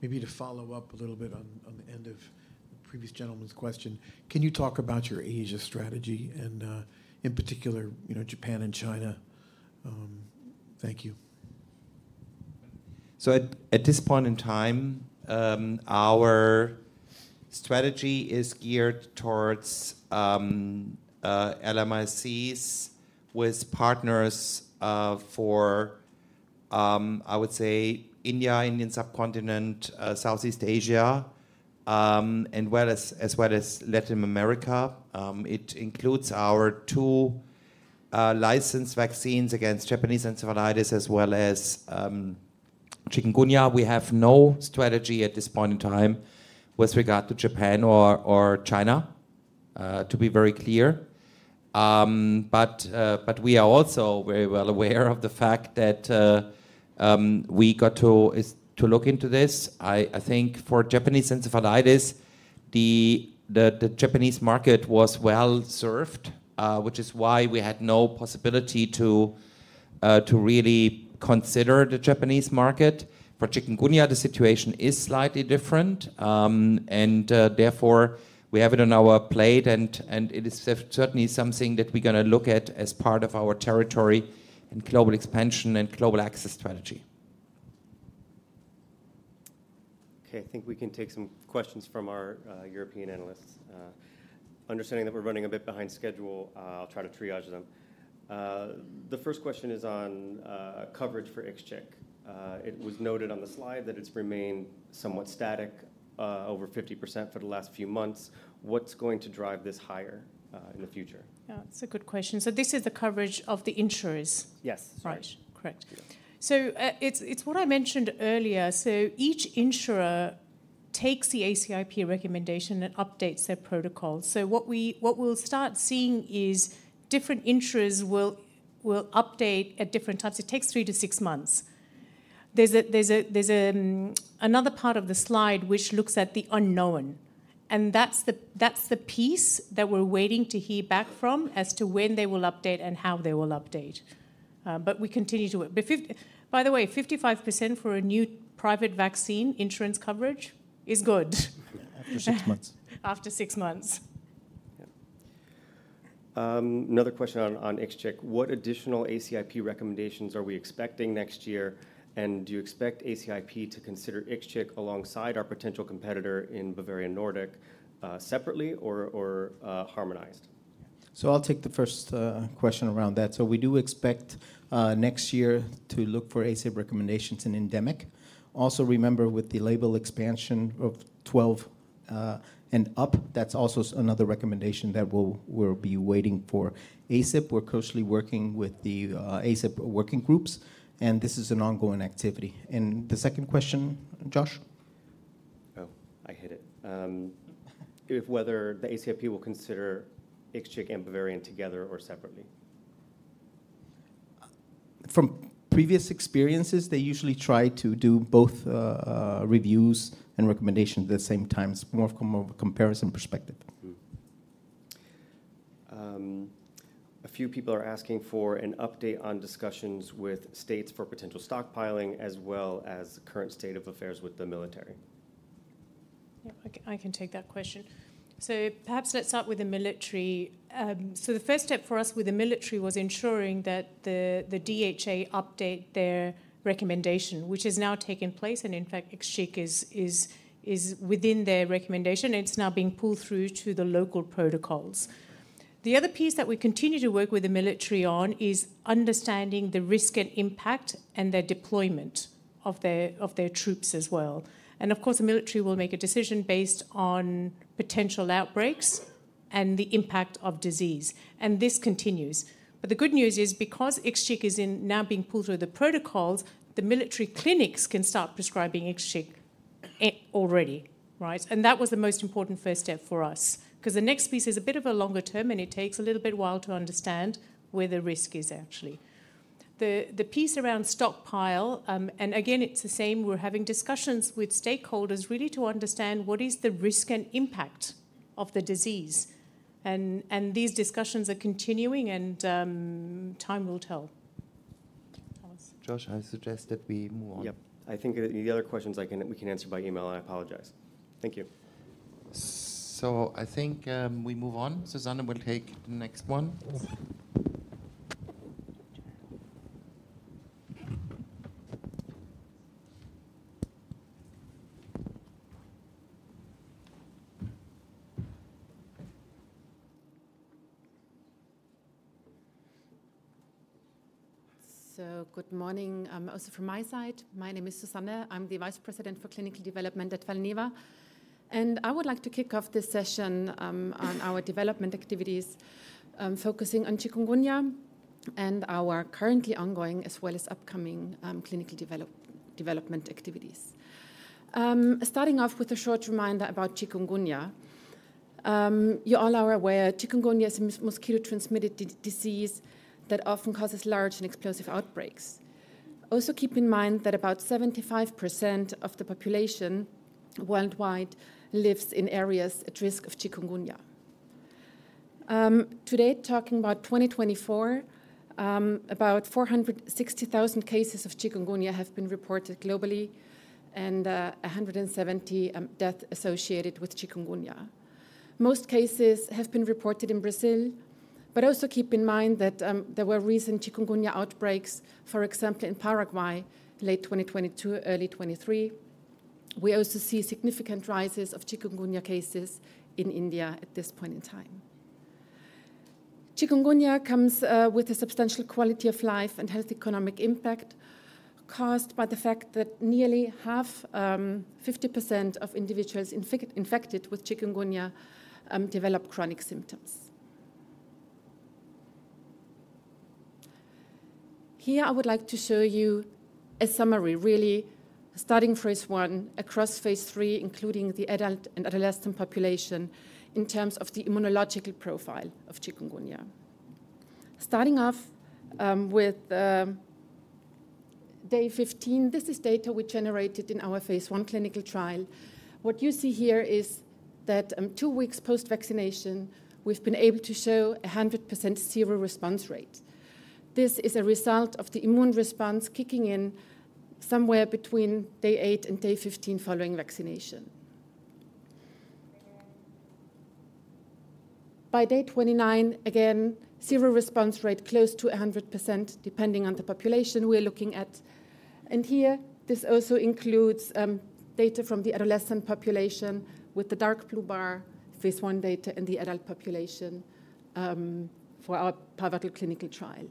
Maybe to follow up a little bit on the end of the previous gentleman's question, can you talk about your Asia strategy and in particular, Japan and China? Thank you. So at this point in time, our strategy is geared towards LMICs with partners for, I would say, India, Indian subcontinent, Southeast Asia, as well as Latin America. It includes our two licensed vaccines against Japanese encephalitis, as well as chikungunya. We have no strategy at this point in time with regard to Japan or China, to be very clear. But we are also very well aware of the fact that we got to look into this. I think for Japanese encephalitis, the Japanese market was well served, which is why we had no possibility to really consider the Japanese market. For chikungunya, the situation is slightly different, and therefore, we have it on our plate, and it is certainly something that we're going to look at as part of our territory and global expansion and global access strategy. Okay. I think we can take some questions from our European analysts. Understanding that we're running a bit behind schedule, I'll try to triage them. The first question is on coverage for Ixchiq. It was noted on the slide that it's remained somewhat static over 50% for the last few months. What's going to drive this higher in the future? Yeah. That's a good question. So this is the coverage of the insurers? Yes. Right. Correct. So it's what I mentioned earlier. So each insurer takes the ACIP recommendation and updates their protocol. So what we'll start seeing is different insurers will update at different times. It takes three to six months. There's another part of the slide which looks at the unknown. And that's the piece that we're waiting to hear back from as to when they will update and how they will update. But we continue to wait. By the way, 55% for a new private vaccine insurance coverage is good. After six months. After six months. Another question on Ixchiq. What additional ACIP recommendations are we expecting next year? And do you expect ACIP to consider Ixchiq alongside our potential competitor in Bavarian Nordic separately or harmonized? I'll take the first question around that. We do expect next year to look for ACIP recommendations in endemic. Also, remember, with the label expansion of 12 and up, that's also another recommendation that we'll be waiting for ACIP. We're closely working with the ACIP working groups. And this is an ongoing activity. And the second question, Josh? Oh, I hit it. Whether the ACIP will consider Ixchiq and Bavarian Nordic together or separately? From previous experiences, they usually try to do both reviews and recommendations at the same time from a comparison perspective. A few people are asking for an update on discussions with states for potential stockpiling, as well as current state of affairs with the military. Yeah. I can take that question. So perhaps let's start with the military. So the first step for us with the military was ensuring that the DHA update their recommendation, which has now taken place. And in fact, Ixchiq is within their recommendation. It's now being pulled through to the local protocols. The other piece that we continue to work with the military on is understanding the risk and impact and their deployment of their troops as well. And of course, the military will make a decision based on potential outbreaks and the impact of disease. And this continues. But the good news is because Ixchiq is now being pulled through the protocols, the military clinics can start prescribing Ixchiq already, right? And that was the most important first step for us because the next piece is a bit of a longer term. It takes a little bit while to understand where the risk is actually. The piece around stockpile, and again, it's the same. We're having discussions with stakeholders really to understand what is the risk and impact of the disease. These discussions are continuing. Time will tell. Josh, I suggest that we move on. Yep. I think the other questions we can answer by email. And I apologize. Thank you. So I think we move on. Suzanne will take the next one. So, good morning. Also from my side, my name is Susanne. I'm the Vice President for Clinical Development at Valneva. And I would like to kick off this session on our development activities focusing on chikungunya and our currently ongoing as well as upcoming clinical development activities. Starting off with a short reminder about chikungunya. You all are aware, chikungunya is a mosquito-transmitted disease that often causes large and explosive outbreaks. Also keep in mind that about 75% of the population worldwide lives in areas at risk of chikungunya. Today, talking about 2024, about 460,000 cases of chikungunya have been reported globally and 170 deaths associated with chikungunya. Most cases have been reported in Brazil. But also keep in mind that there were recent chikungunya outbreaks, for example, in Paraguay late 2022, early 2023. We also see significant rises of chikungunya cases in India at this point in time. Chikungunya comes with a substantial quality of life and health economic impact caused by the fact that nearly half, 50% of individuals infected with chikungunya develop chronic symptoms. Here, I would like to show you a summary, really, starting phase one across phase three, including the adult and adolescent population in terms of the immunological profile of chikungunya. Starting off with day 15, this is data we generated in our phase one clinical trial. What you see here is that two weeks post-vaccination, we've been able to show a 100% seroresponse rate. This is a result of the immune response kicking in somewhere between day eight and day 15 following vaccination. By day 29, again, seroconversion rate close to 100%, depending on the population we're looking at. Here, this also includes data from the adolescent population with the dark blue bar, phase 1 data in the adult population for our clinical trial.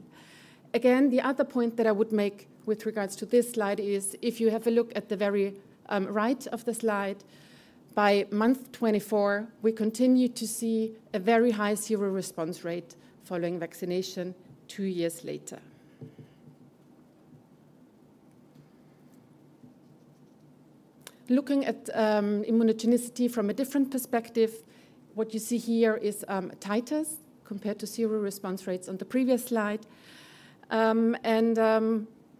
Again, the other point that I would make with regard to this slide is if you have a look at the very right of the slide, by month 24, we continue to see a very high seroresponse rate following vaccination two years later. Looking at immunogenicity from a different perspective, what you see here is titers compared to seroresponse rates on the previous slide.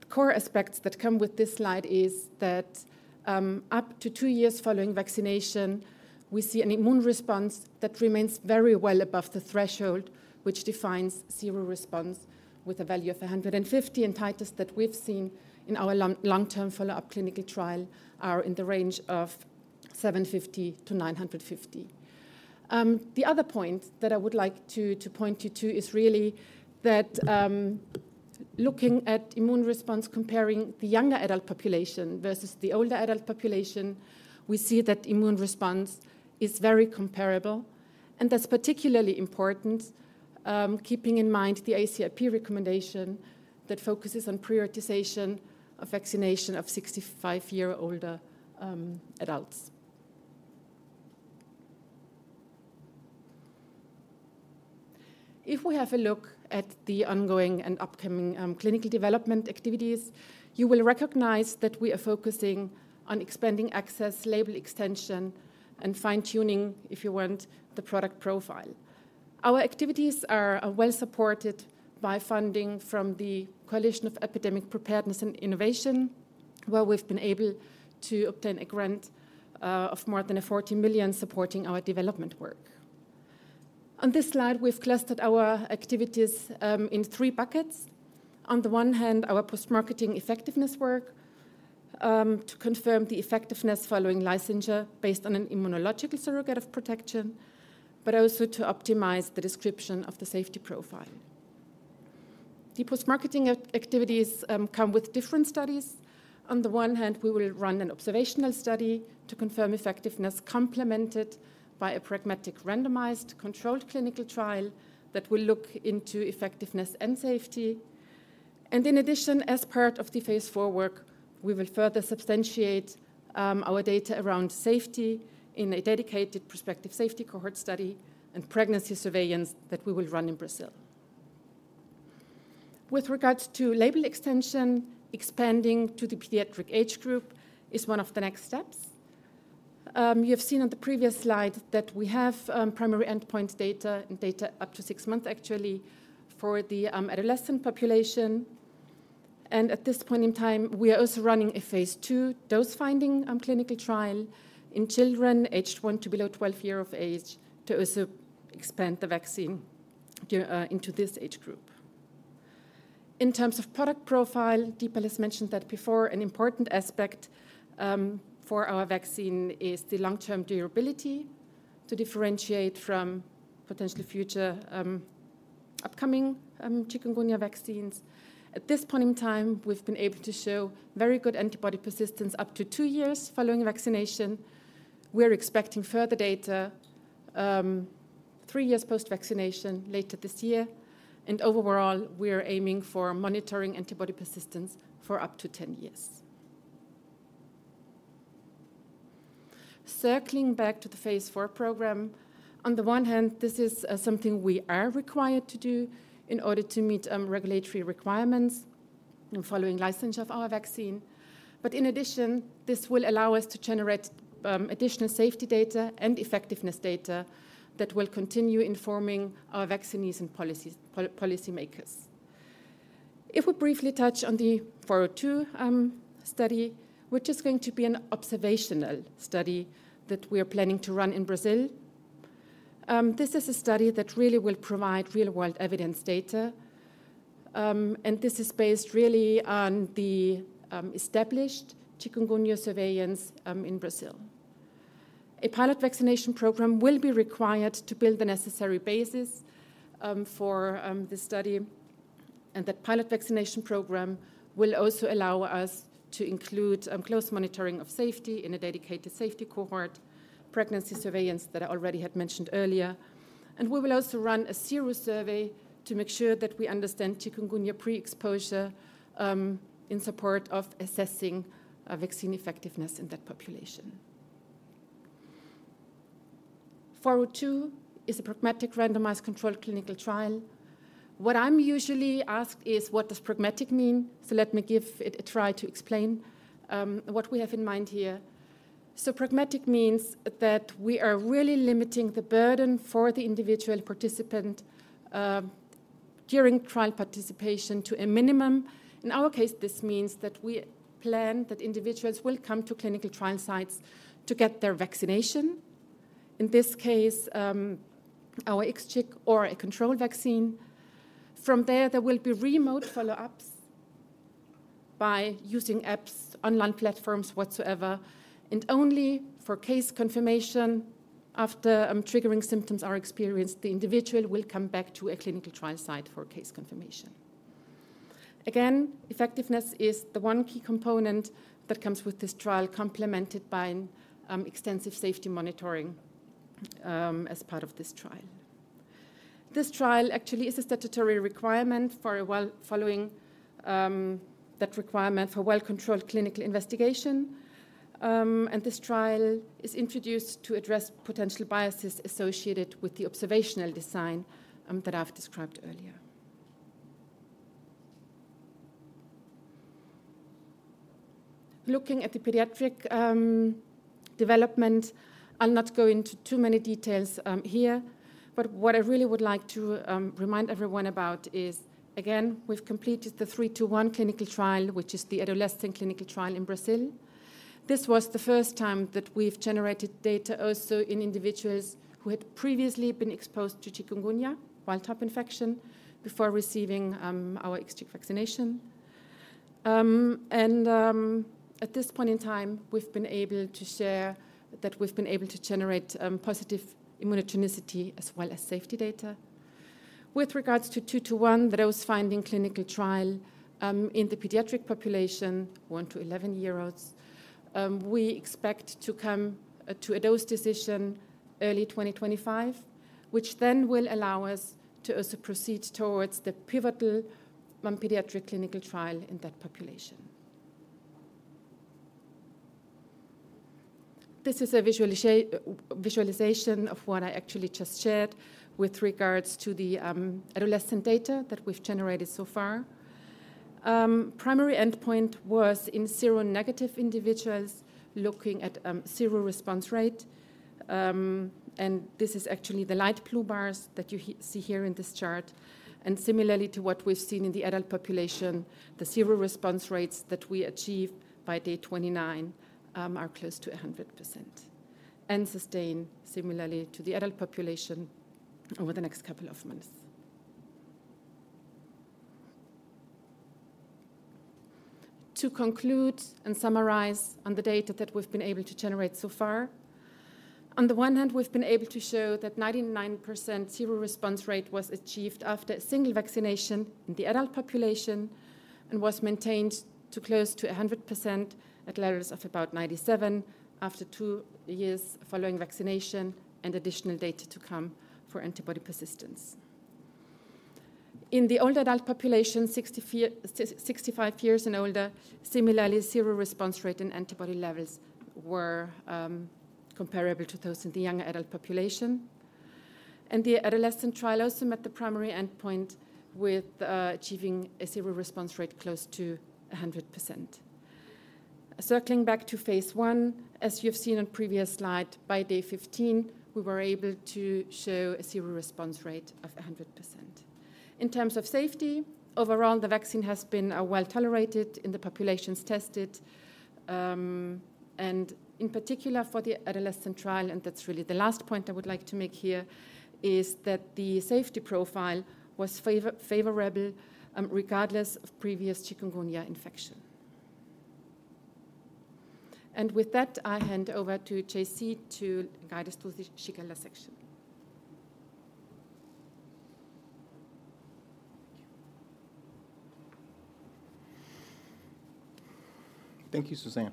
Core aspects that come with this slide is that up to two years following vaccination, we see an immune response that remains very well above the threshold, which defines seroresponse with a value of 150. Titers that we've seen in our long-term follow-up clinical trial are in the range of 750-950. The other point that I would like to point you to is really that looking at immune response, comparing the younger adult population versus the older adult population, we see that immune response is very comparable, and that's particularly important keeping in mind the ACIP recommendation that focuses on prioritization of vaccination of 65-year-oldet adults. If we have a look at the ongoing and upcoming clinical development activities, you will recognize that we are focusing on expanding access, label extension, and fine-tuning, if you want, the product profile. Our activities are well supported by funding from the Coalition for Epidemic Preparedness Innovations, where we've been able to obtain a grant of more than 40 million supporting our development work. On this slide, we've clustered our activities in three buckets. On the one hand, our post-marketing effectiveness work to confirm the effectiveness following licensure based on an immunological surrogate of protection, but also to optimize the description of the safety profile. The post-marketing activities come with different studies. On the one hand, we will run an observational study to confirm effectiveness complemented by a pragmatic randomized controlled clinical trial that will look into effectiveness and safety. In addition, as part of the phase 4 work, we will further substantiate our data around safety in a dedicated prospective safety cohort study and pregnancy surveillance that we will run in Brazil. With regard to label extension, expanding to the pediatric age group is one of the next steps. You have seen on the previous slide that we have primary endpoint data and data up to six months, actually, for the adolescent population. At this point in time, we are also running a phase two dose-finding clinical trial in children aged one to below 12 years of age to also expand the vaccine into this age group. In terms of product profile, Dipal has mentioned that before, an important aspect for our vaccine is the long-term durability to differentiate from potentially future upcoming chikungunya vaccines. At this point in time, we've been able to show very good antibody persistence up to two years following vaccination. We're expecting further data three years post-vaccination later this year. Overall, we're aiming for monitoring antibody persistence for up to 10 years. Circling back to the phase four program, on the one hand, this is something we are required to do in order to meet regulatory requirements following licensure of our vaccine. But in addition, this will allow us to generate additional safety data and effectiveness data that will continue informing our vaccinees and policymakers. If we briefly touch on the 402 study, which is going to be an observational study that we are planning to run in Brazil, this is a study that really will provide real-world evidence data. And this is based really on the established chikungunya surveillance in Brazil. A pilot vaccination program will be required to build the necessary basis for this study. And that pilot vaccination program will also allow us to include close monitoring of safety in a dedicated safety cohort, pregnancy surveillance that I already had mentioned earlier. And we will also run a serial survey to make sure that we understand chikungunya pre-exposure in support of assessing vaccine effectiveness in that population. 402 is a pragmatic randomized controlled clinical trial. What I'm usually asked is, what does pragmatic mean? So let me give it a try to explain what we have in mind here. So pragmatic means that we are really limiting the burden for the individual participant during trial participation to a minimum. In our case, this means that we plan that individuals will come to clinical trial sites to get their vaccination, in this case, our Ixchiq or a control vaccine. From there, there will be remote follow-ups by using apps, online platforms whatsoever. And only for case confirmation after triggering symptoms are experienced, the individual will come back to a clinical trial site for case confirmation. Again, effectiveness is the one key component that comes with this trial complemented by extensive safety monitoring as part of this trial. This trial actually is a statutory requirement that requires well-controlled clinical investigation. This trial is introduced to address potential biases associated with the observational design that I've described earlier. Looking at the pediatric development, I'll not go into too many details here. What I really would like to remind everyone about is, again, we've completed the 3-2-1 clinical trial, which is the adolescent clinical trial in Brazil. This was the first time that we've generated data also in individuals who had previously been exposed to chikungunya wild-type infection before receiving our Ixchiq vaccination. At this point in time, we've been able to share that we've been able to generate positive immunogenicity as well as safety data. With regards to 2-2-1, the dose-finding clinical trial in the pediatric population, one to 11-year-olds, we expect to come to a dose decision early 2025, which then will allow us to also proceed towards the pivotal pediatric clinical trial in that population. This is a visualization of what I actually just shared with regards to the adolescent data that we've generated so far. Primary endpoint was in seronegative individuals looking at seroresponse rate, and this is actually the light blue bars that you see here in this chart. Similarly to what we've seen in the adult population, the seroresponse rates that we achieved by day 29 are close to 100% and sustain similarly to the adult population over the next couple of months. To conclude and summarize on the data that we've been able to generate so far, on the one hand, we've been able to show that 99% seroresponse rate was achieved after a single vaccination in the adult population and was maintained to close to 100% at levels of about 97% after two years following vaccination and additional data to come for antibody persistence. In the older adult population, 65 years and older, similarly, seroresponse rate and antibody levels were comparable to those in the younger adult population, and the adolescent trial also met the primary endpoint with achieving a seroresponse rate close to 100%. Circling back to phase one, as you've seen on previous slide, by day 15, we were able to show a seroresponse rate of 100%. In terms of safety, overall, the vaccine has been well tolerated in the populations tested, and in particular for the adolescent trial, and that's really the last point I would like to make here, is that the safety profile was favorable regardless of previous chikungunya infection, and with that, I hand over to JC to guide us through the Shigella section. Thank you, Suzanne.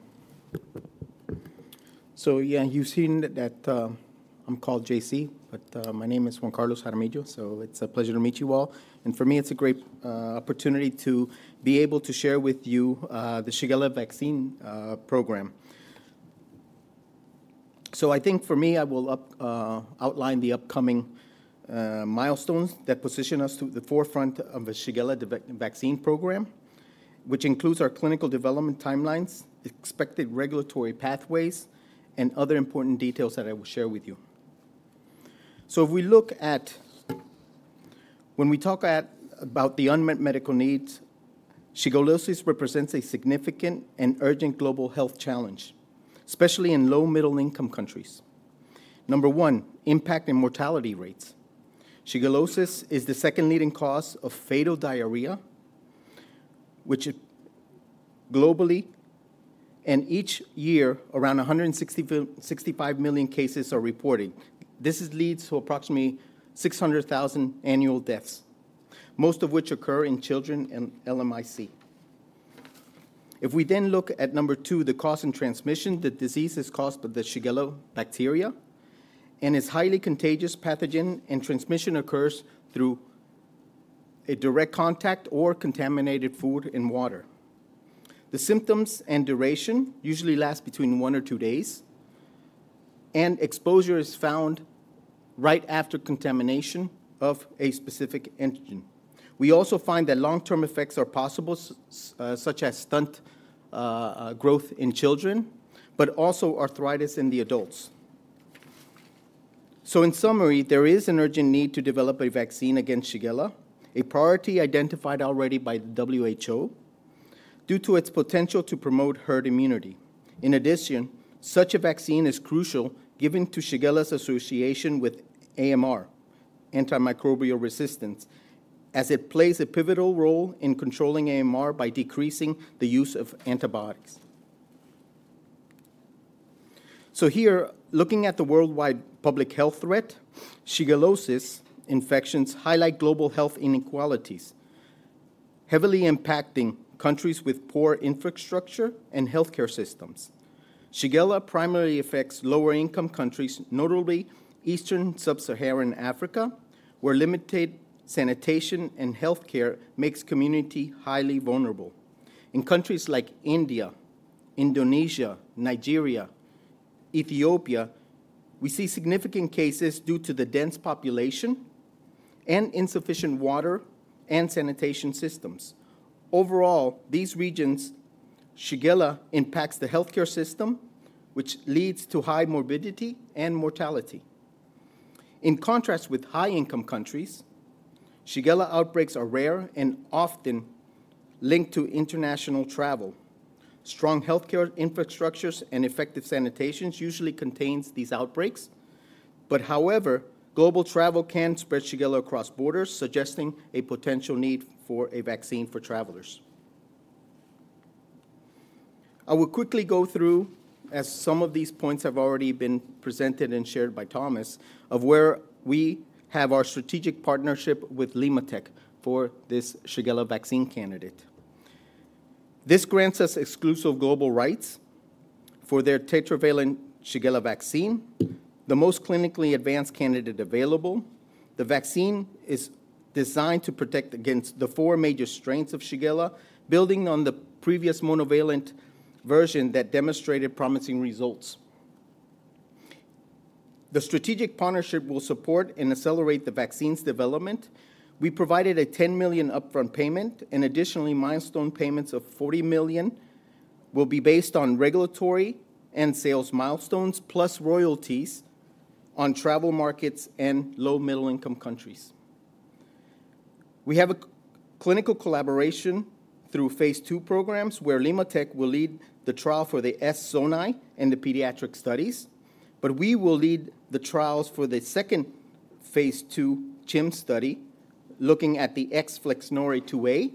So yeah, you've seen that I'm called JC, but my name is Juan Carlos Jaramillo. So it's a pleasure to meet you all. And for me, it's a great opportunity to be able to share with you the Shigella vaccine program. So I think for me, I will outline the upcoming milestones that position us to the forefront of the Shigella vaccine program, which includes our clinical development timelines, expected regulatory pathways, and other important details that I will share with you. So if we look at when we talk about the unmet medical needs, shigellosis represents a significant and urgent global health challenge, especially in low-middle-income countries. Number one, impact and mortality rates. Shigellosis is the second leading cause of fatal diarrhea, which globally, and each year, around 165 million cases are reported. This leads to approximately 600,000 annual deaths, most of which occur in children and LMIC. If we then look at number two, the cause and transmission, the disease is caused by the Shigella bacteria and is a highly contagious pathogen, and transmission occurs through direct contact or contaminated food and water. The symptoms and duration usually last between one or two days, and exposure is found right after contamination of a specific ingestion. We also find that long-term effects are possible, such as stunted growth in children, but also arthritis in adults. So in summary, there is an urgent need to develop a vaccine against Shigella, a priority identified already by the WHO due to its potential to promote herd immunity. In addition, such a vaccine is crucial given to Shigella's association with AMR, antimicrobial resistance, as it plays a pivotal role in controlling AMR by decreasing the use of antibiotics. So here, looking at the worldwide public health threat, shigellosis infections highlight global health inequalities, heavily impacting countries with poor infrastructure and healthcare systems. Shigella primarily affects lower-income countries, notably Eastern Sub-Saharan Africa, where limited sanitation and healthcare makes community highly vulnerable. In countries like India, Indonesia, Nigeria, Ethiopia, we see significant cases due to the dense population and insufficient water and sanitation systems. Overall, these regions, Shigella impacts the healthcare system, which leads to high morbidity and mortality. In contrast with high-income countries, Shigella outbreaks are rare and often linked to international travel. Strong healthcare infrastructures and effective sanitations usually contain these outbreaks. However, global travel can spread Shigella across borders, suggesting a potential need for a vaccine for travelers. I will quickly go through, as some of these points have already been presented and shared by Thomas, of where we have our strategic partnership with LimmaTech for this Shigella vaccine candidate. This grants us exclusive global rights for their tetravalent Shigella vaccine, the most clinically advanced candidate available. The vaccine is designed to protect against the four major strains of Shigella, building on the previous monovalent version that demonstrated promising results. The strategic partnership will support and accelerate the vaccine's development. We provided a 10 million upfront payment, and additionally, milestone payments of 40 million will be based on regulatory and sales milestones, plus royalties on travel markets and low-middle-income countries. We have a clinical collaboration through phase two programs where LimmaTech will lead the trial for the S. sonnei and the pediatric studies. But we will lead the trials for the second phase two CHIM study, looking at the S. flexneri 2A.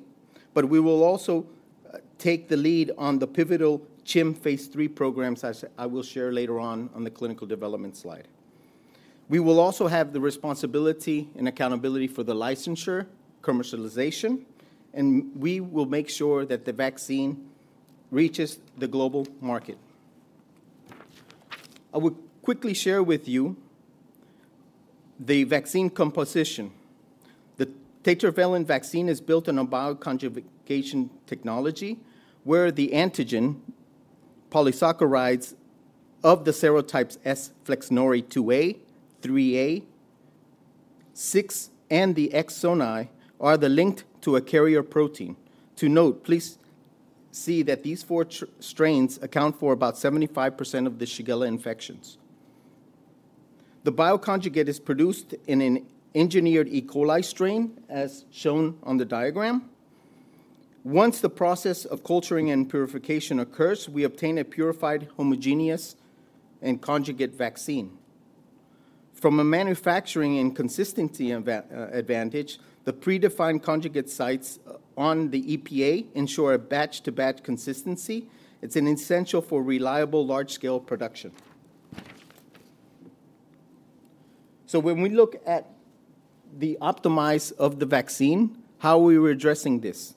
But we will also take the lead on the pivotal CHIM phase three programs I will share later on on the clinical development slide. We will also have the responsibility and accountability for the licensure, commercialization, and we will make sure that the vaccine reaches the global market. I will quickly share with you the vaccine composition. The tetravalent vaccine is built on a bioconjugation technology where the antigen polysaccharides of the serotypes S. flexneri 2A, 3A, 6, and the S. sonnei are linked to a carrier protein. To note, please see that these four strains account for about 75% of the Shigella infections. The bioconjugate is produced in an engineered E. coli strain, as shown on the diagram. Once the process of culturing and purification occurs, we obtain a purified, homogeneous, and conjugate vaccine. From a manufacturing and consistency advantage, the predefined conjugate sites on the EPA ensure a batch-to-batch consistency. It's essential for reliable large-scale production. So when we look at the optimization of the vaccine, how are we addressing this?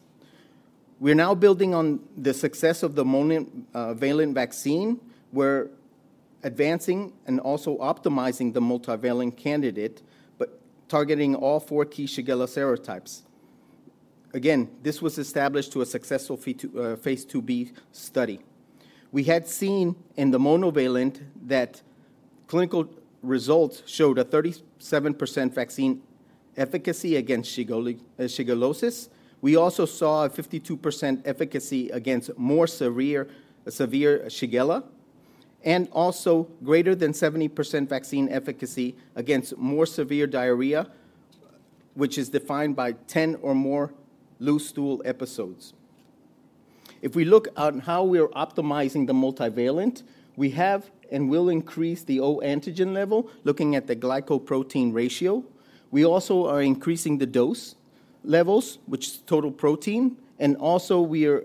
We're now building on the success of the monovalent vaccine. We're advancing and also optimizing the multivalent candidate, but targeting all four key Shigella serotypes. Again, this was established through a successful phase 2B study. We had seen in the monovalent that clinical results showed a 37% vaccine efficacy against shigellosis. We also saw a 52% efficacy against more severe Shigella, and also greater than 70% vaccine efficacy against more severe diarrhea, which is defined by 10 or more loose stool episodes. If we look at how we are optimizing the multivalent, we have and will increase the O antigen level, looking at the glycoprotein ratio. We also are increasing the dose levels, which is total protein, and also we are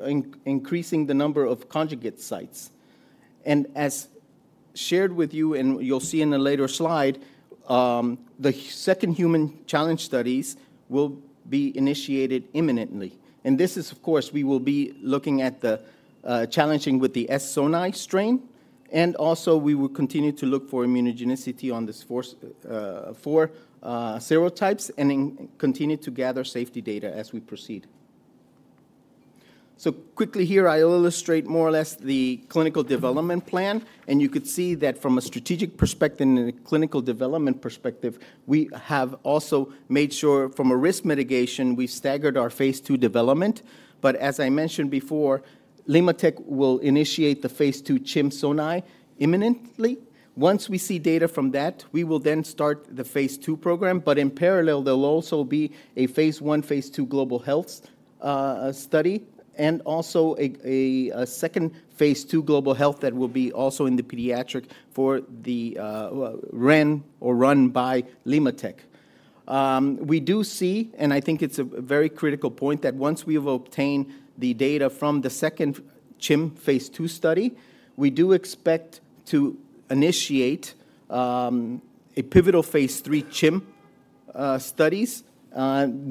increasing the number of conjugate sites. As shared with you, and you'll see in a later slide, the second human challenge studies will be initiated imminently. This is, of course, we will be looking at the challenge with the S. sonnei strain. Also, we will continue to look for immunogenicity on these four serotypes and continue to gather safety data as we proceed. Quickly here, I'll illustrate more or less the clinical development plan. You could see that from a strategic perspective and a clinical development perspective, we have also made sure from a risk mitigation, we've staggered our phase two development. As I mentioned before, LimmaTech will initiate the phase two CHIM study imminently. Once we see data from that, we will then start the phase two program. In parallel, there'll also be a phase one phase two global health study and also a second phase two global health that will be also in the pediatric, run by LimmaTech. We do see, and I think it's a very critical point, that once we have obtained the data from the second CHIM phase two study, we do expect to initiate a pivotal phase three CHIM studies,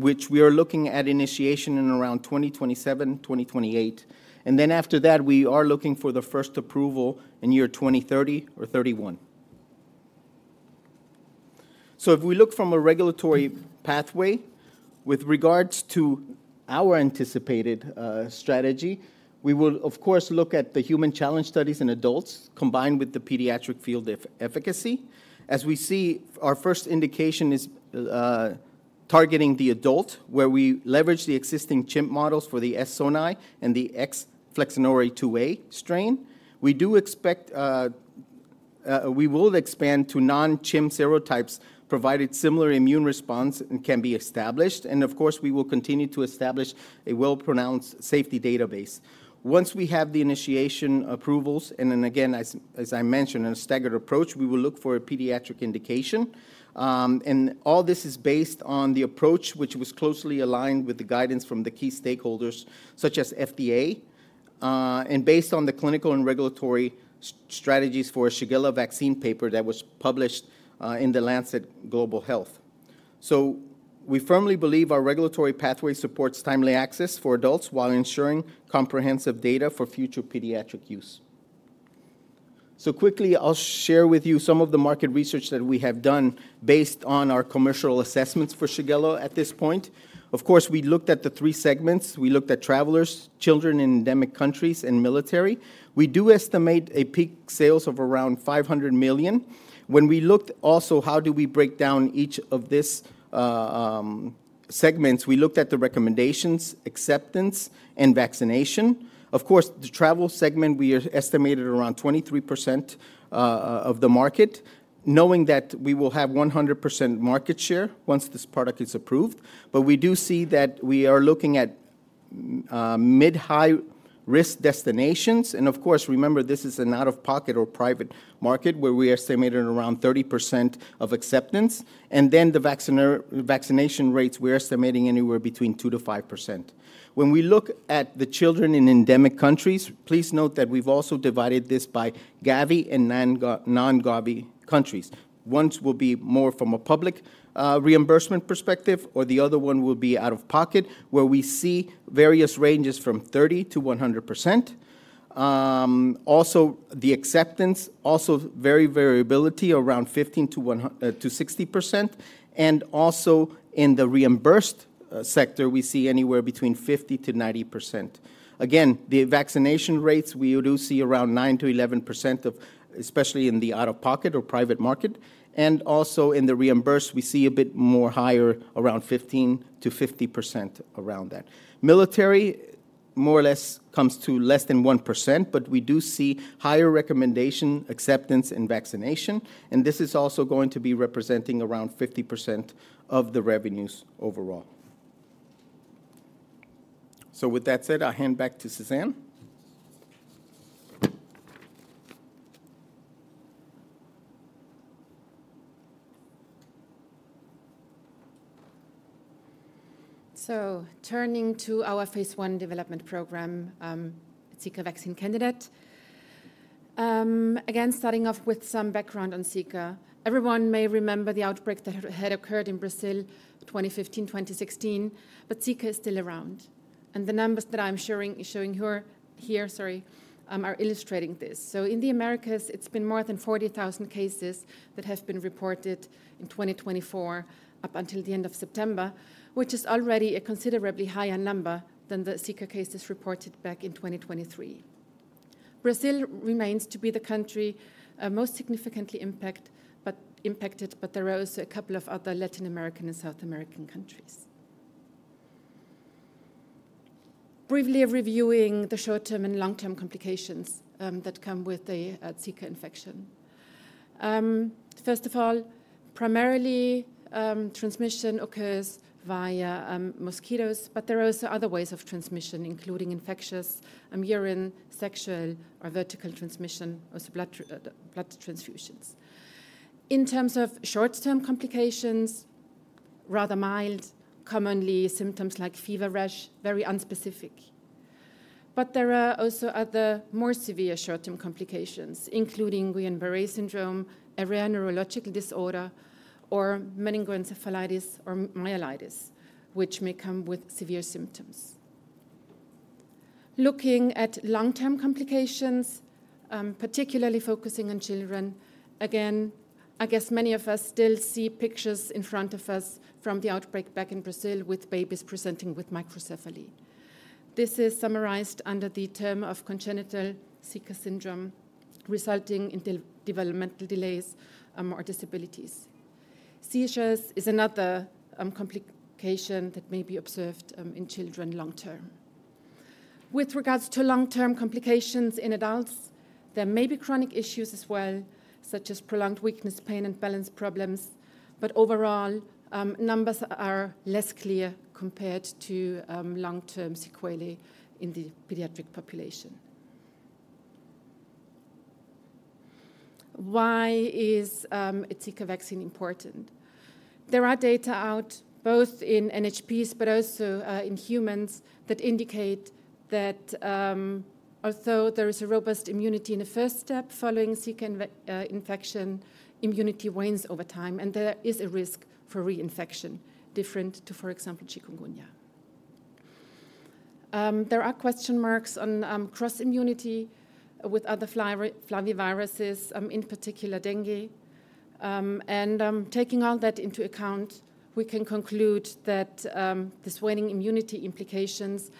which we are looking at initiation in around 2027-2028. And then after that, we are looking for the first approval in year 2030 or 2031. So if we look from a regulatory pathway, with regards to our anticipated strategy, we will, of course, look at the human challenge studies in adults combined with the pediatric field efficacy. As we see, our first indication is targeting the adult, where we leverage the existing CHIM models for the S. sonnei and the S. flexneri 2A strain. We do expect we will expand to non-CHIM serotypes provided similar immune response can be established. And of course, we will continue to establish a well-pronounced safety database. Once we have the initial approvals, and again, as I mentioned, in a staggered approach, we will look for a pediatric indication. All this is based on the approach, which was closely aligned with the guidance from the key stakeholders, such as FDA, and based on the clinical and regulatory strategies for a Shigella vaccine paper that was published in The Lancet Global Health. We firmly believe our regulatory pathway supports timely access for adults while ensuring comprehensive data for future pediatric use. Quickly, I'll share with you some of the market research that we have done based on our commercial assessments for Shigella at this point. Of course, we looked at the three segments. We looked at travelers, children in endemic countries, and military. We do estimate a peak sales of around 500 million. When we looked also, how do we break down each of these segments, we looked at the recommendations, acceptance, and vaccination. Of course, the travel segment, we estimated around 23% of the market, knowing that we will have 100% market share once this product is approved, but we do see that we are looking at mid-high risk destinations. And of course, remember, this is an out-of-pocket or private market where we estimated around 30% of acceptance, and then the vaccination rates, we're estimating anywhere between 2%-5%. When we look at the children in endemic countries, please note that we've also divided this by Gavi and non-Gavi countries. One will be more from a public reimbursement perspective, or the other one will be out-of-pocket, where we see various ranges from 30%-100%. Also, the acceptance, also very variable around 15%-60%. And also in the reimbursed sector, we see anywhere between 50%-90%. Again, the vaccination rates, we do see around 9%-11%, especially in the out-of-pocket or private market, and also in the reimbursed, we see a bit more higher, around 15%-50% around that. Military, more or less, comes to less than 1%, but we do see higher recommendation, acceptance, and vaccination, and this is also going to be representing around 50% of the revenues overall. So with that said, I'll hand back to Suzanne, so turning to our phase one development program, Zika vaccine candidate. Again, starting off with some background on Zika, everyone may remember the outbreak that had occurred in Brazil 2015 ,2016, but Zika is still around. The numbers that I'm showing here, sorry, are illustrating this. In the Americas, it's been more than 40,000 cases that have been reported in 2024 up until the end of September, which is already a considerably higher number than the Zika cases reported back in 2023. Brazil remains to be the country most significantly impacted, but there are also a couple of other Latin American and South American countries. Briefly reviewing the short-term and long-term complications that come with the Zika infection. First of all, primarily transmission occurs via mosquitoes, but there are also other ways of transmission, including infectious urine, sexual, or vertical transmission, or blood transfusions. In terms of short-term complications, rather mild, commonly symptoms like fever, rash, very unspecific. But there are also other more severe short-term complications, including Guillain-Barré syndrome, a rare neurological disorder, or meningoencephalitis or myelitis, which may come with severe symptoms. Looking at long-term complications, particularly focusing on children, again, I guess many of us still see pictures in front of us from the outbreak back in Brazil with babies presenting with microcephaly. This is summarized under the term of congenital Zika syndrome, resulting in developmental delays or disabilities. Seizures is another complication that may be observed in children long-term. With regards to long-term complications in adults, there may be chronic issues as well, such as prolonged weakness, pain, and balance problems. But overall, numbers are less clear compared to long-term sequelae in the pediatric population. Why is a Zika vaccine important? There are data out both in NHPs, but also in humans that indicate that although there is a robust immunity in the first step following Zika infection, immunity wanes over time, and there is a risk for reinfection, different to, for example, chikungunya. There are question marks on cross-immunity with other flaviviruses, in particular dengue. Taking all that into account, we can conclude that this waning immunity implications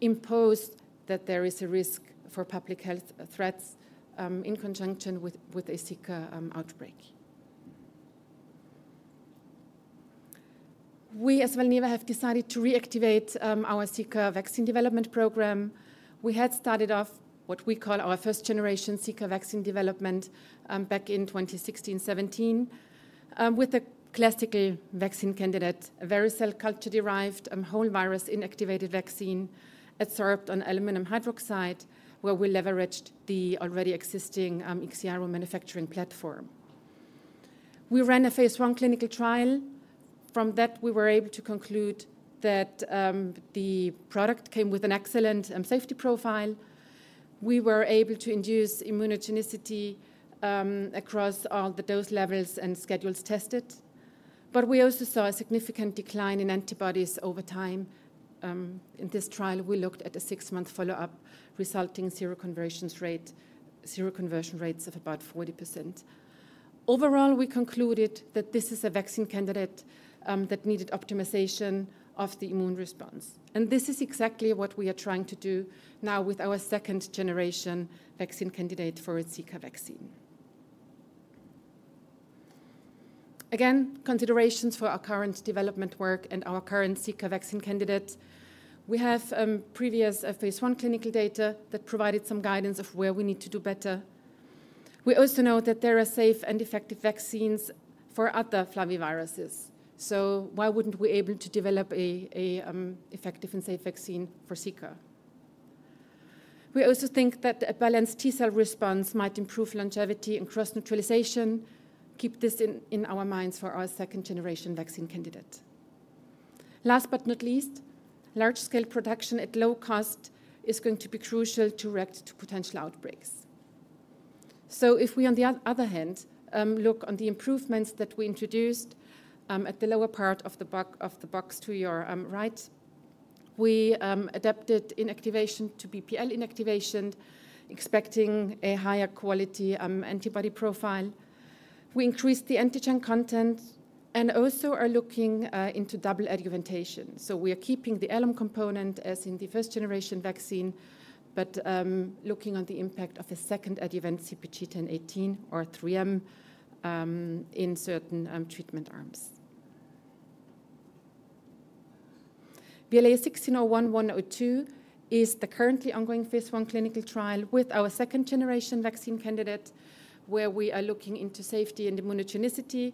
impose that there is a risk for public health threats in conjunction with a Zika outbreak. We as Valneva have decided to reactivate our Zika vaccine development program. We had started off what we call our first-generation Zika vaccine development back in 2016, 2017, with a classical vaccine candidate, a very cell culture-derived whole virus inactivated vaccine absorbed on aluminum hydroxide, where we leveraged the already existing Ixiaro manufacturing platform. We ran a phase one clinical trial. From that, we were able to conclude that the product came with an excellent safety profile. We were able to induce immunogenicity across all the dose levels and schedules tested. We also saw a significant decline in antibodies over time. In this trial, we looked at a six-month follow-up, resulting in seroconversion rates of about 40%. Overall, we concluded that this is a vaccine candidate that needed optimization of the immune response. This is exactly what we are trying to do now with our second-generation vaccine candidate for a Zika vaccine. Again, considerations for our current development work and our current Zika vaccine candidate. We have previous phase one clinical data that provided some guidance of where we need to do better. We also know that there are safe and effective vaccines for other flaviviruses. Why wouldn't we be able to develop an effective and safe vaccine for Zika? We also think that a balanced T cell response might improve longevity and cross-neutralization. Keep this in our minds for our second-generation vaccine candidate. Last but not least, large-scale production at low cost is going to be crucial to react to potential outbreaks. So if we, on the other hand, look on the improvements that we introduced at the lower part of the box to your right, we adapted inactivation to BPL inactivation, expecting a higher quality antibody profile. We increased the antigen content and also are looking into double adjuvantation. So we are keeping the alum component as in the first-generation vaccine, but looking on the impact of a second adjuvant, CpG 1018 or 3M, in certain treatment arms. VLA1601-102 is the currently ongoing phase one clinical trial with our second-generation vaccine candidate, where we are looking into safety and immunogenicity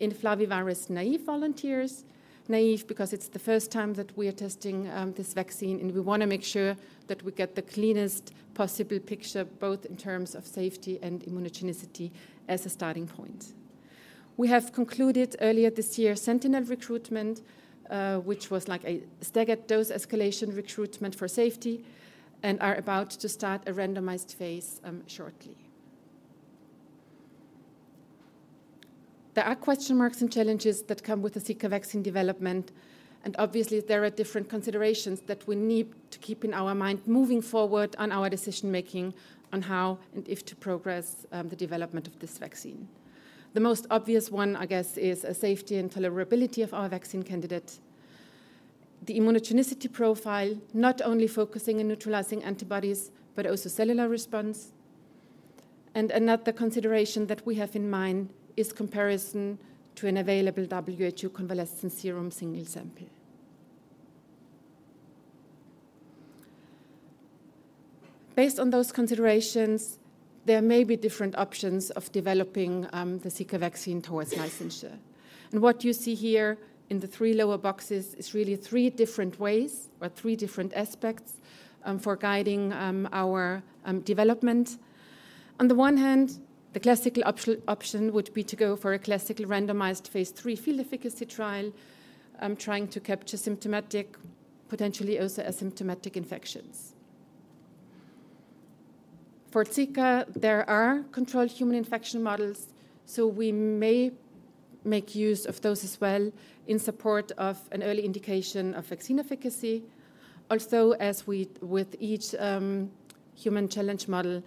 in flavivirus naive volunteers. Naive because it's the first time that we are testing this vaccine, and we want to make sure that we get the cleanest possible picture, both in terms of safety and immunogenicity as a starting point. We have concluded earlier this year sentinel recruitment, which was like a staggered dose escalation recruitment for safety, and are about to start a randomized phase shortly. There are question marks and challenges that come with the Shigella vaccine development, and obviously, there are different considerations that we need to keep in our mind moving forward on our decision-making on how and if to progress the development of this vaccine. The most obvious one, I guess, is safety and tolerability of our vaccine candidate. The immunogenicity profile, not only focusing on neutralizing antibodies, but also cellular response. Another consideration that we have in mind is comparison to an available WHO convalescent serum single sample. Based on those considerations, there may be different options of developing the CHIK vaccine towards licensure. What you see here in the three lower boxes is really three different ways or three different aspects for guiding our development. On the one hand, the classical option would be to go for a classical randomized phase three field efficacy trial, trying to capture symptomatic, potentially also asymptomatic infections. For IXCHIQ, there are controlled human infection models, so we may make use of those as well in support of an early indication of vaccine efficacy. Also, as with each human challenge model,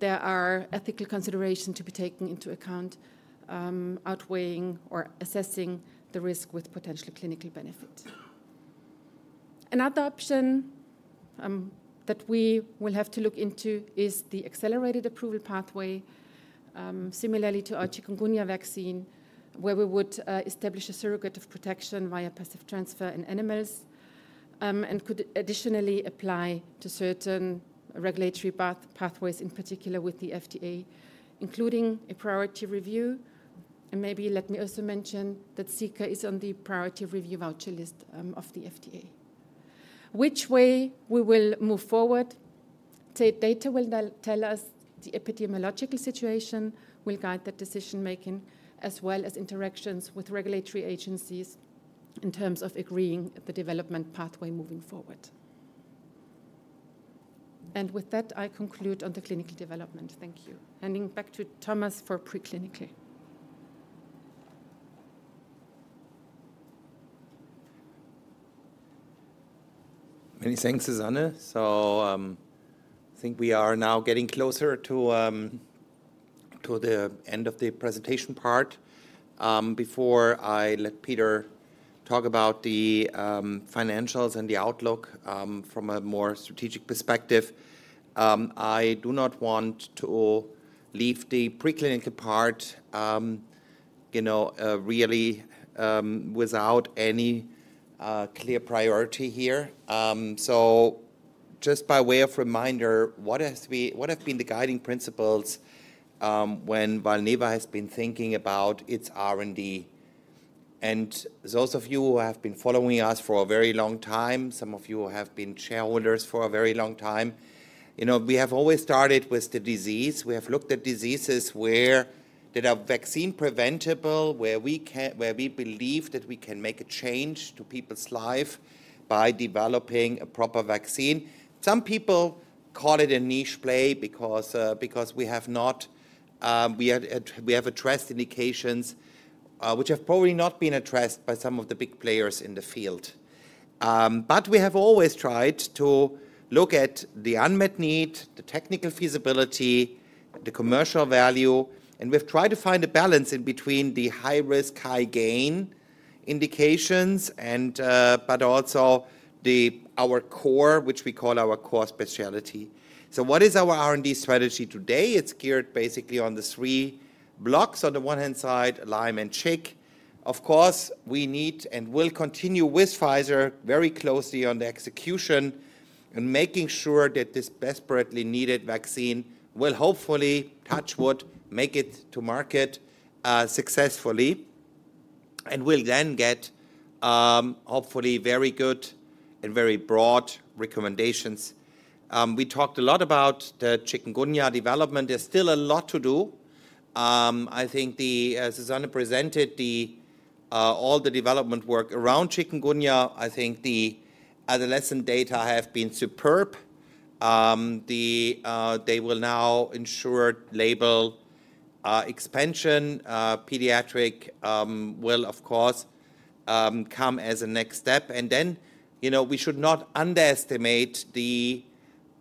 there are ethical considerations to be taken into account, outweighing or assessing the risk with potential clinical benefit. Another option that we will have to look into is the accelerated approval pathway, similarly to our chikungunya vaccine, where we would establish a surrogate of protection via passive transfer in animals and could additionally apply to certain regulatory pathways, in particular with the FDA, including a priority review, and maybe let me also mention that IXCHIQ is on the priority review voucher list of the FDA. Which way we will move forward, data will tell us. The epidemiological situation will guide that decision-making, as well as interactions with regulatory agencies in terms of agreeing on the development pathway moving forward, and with that, I conclude on the clinical development. Thank you. Handing back to Thomas for preclinical. Many thanks, Suzanne. So I think we are now getting closer to the end of the presentation part. Before I let Peter talk about the financials and the outlook from a more strategic perspective, I do not want to leave the preclinical part really without any clear priority here. So just by way of reminder, what have been the guiding principles when Valneva has been thinking about its R&D? And those of you who have been following us for a very long time, some of you have been shareholders for a very long time, we have always started with the disease. We have looked at diseases that are vaccine-preventable, where we believe that we can make a change to people's lives by developing a proper vaccine. Some people call it a niche play because we have addressed indications which have probably not been addressed by some of the big players in the field. But we have always tried to look at the unmet need, the technical feasibility, the commercial value. We've tried to find a balance in between the high-risk, high-gain indications, but also our core, which we call our core specialty. So what is our R&D strategy today? It's geared basically on the three blocks. On the one hand side, Lyme and chik. Of course, we need and will continue with Pfizer very closely on the execution and making sure that this desperately needed vaccine will hopefully touch wood, make it to market successfully, and will then get hopefully very good and very broad recommendations. We talked a lot about the chikungunya development. There's still a lot to do. I think Suzanne presented all the development work around chikungunya. I think the adolescent data have been superb. They will now ensure label expansion. Pediatric will, of course, come as a next step, and then we should not underestimate the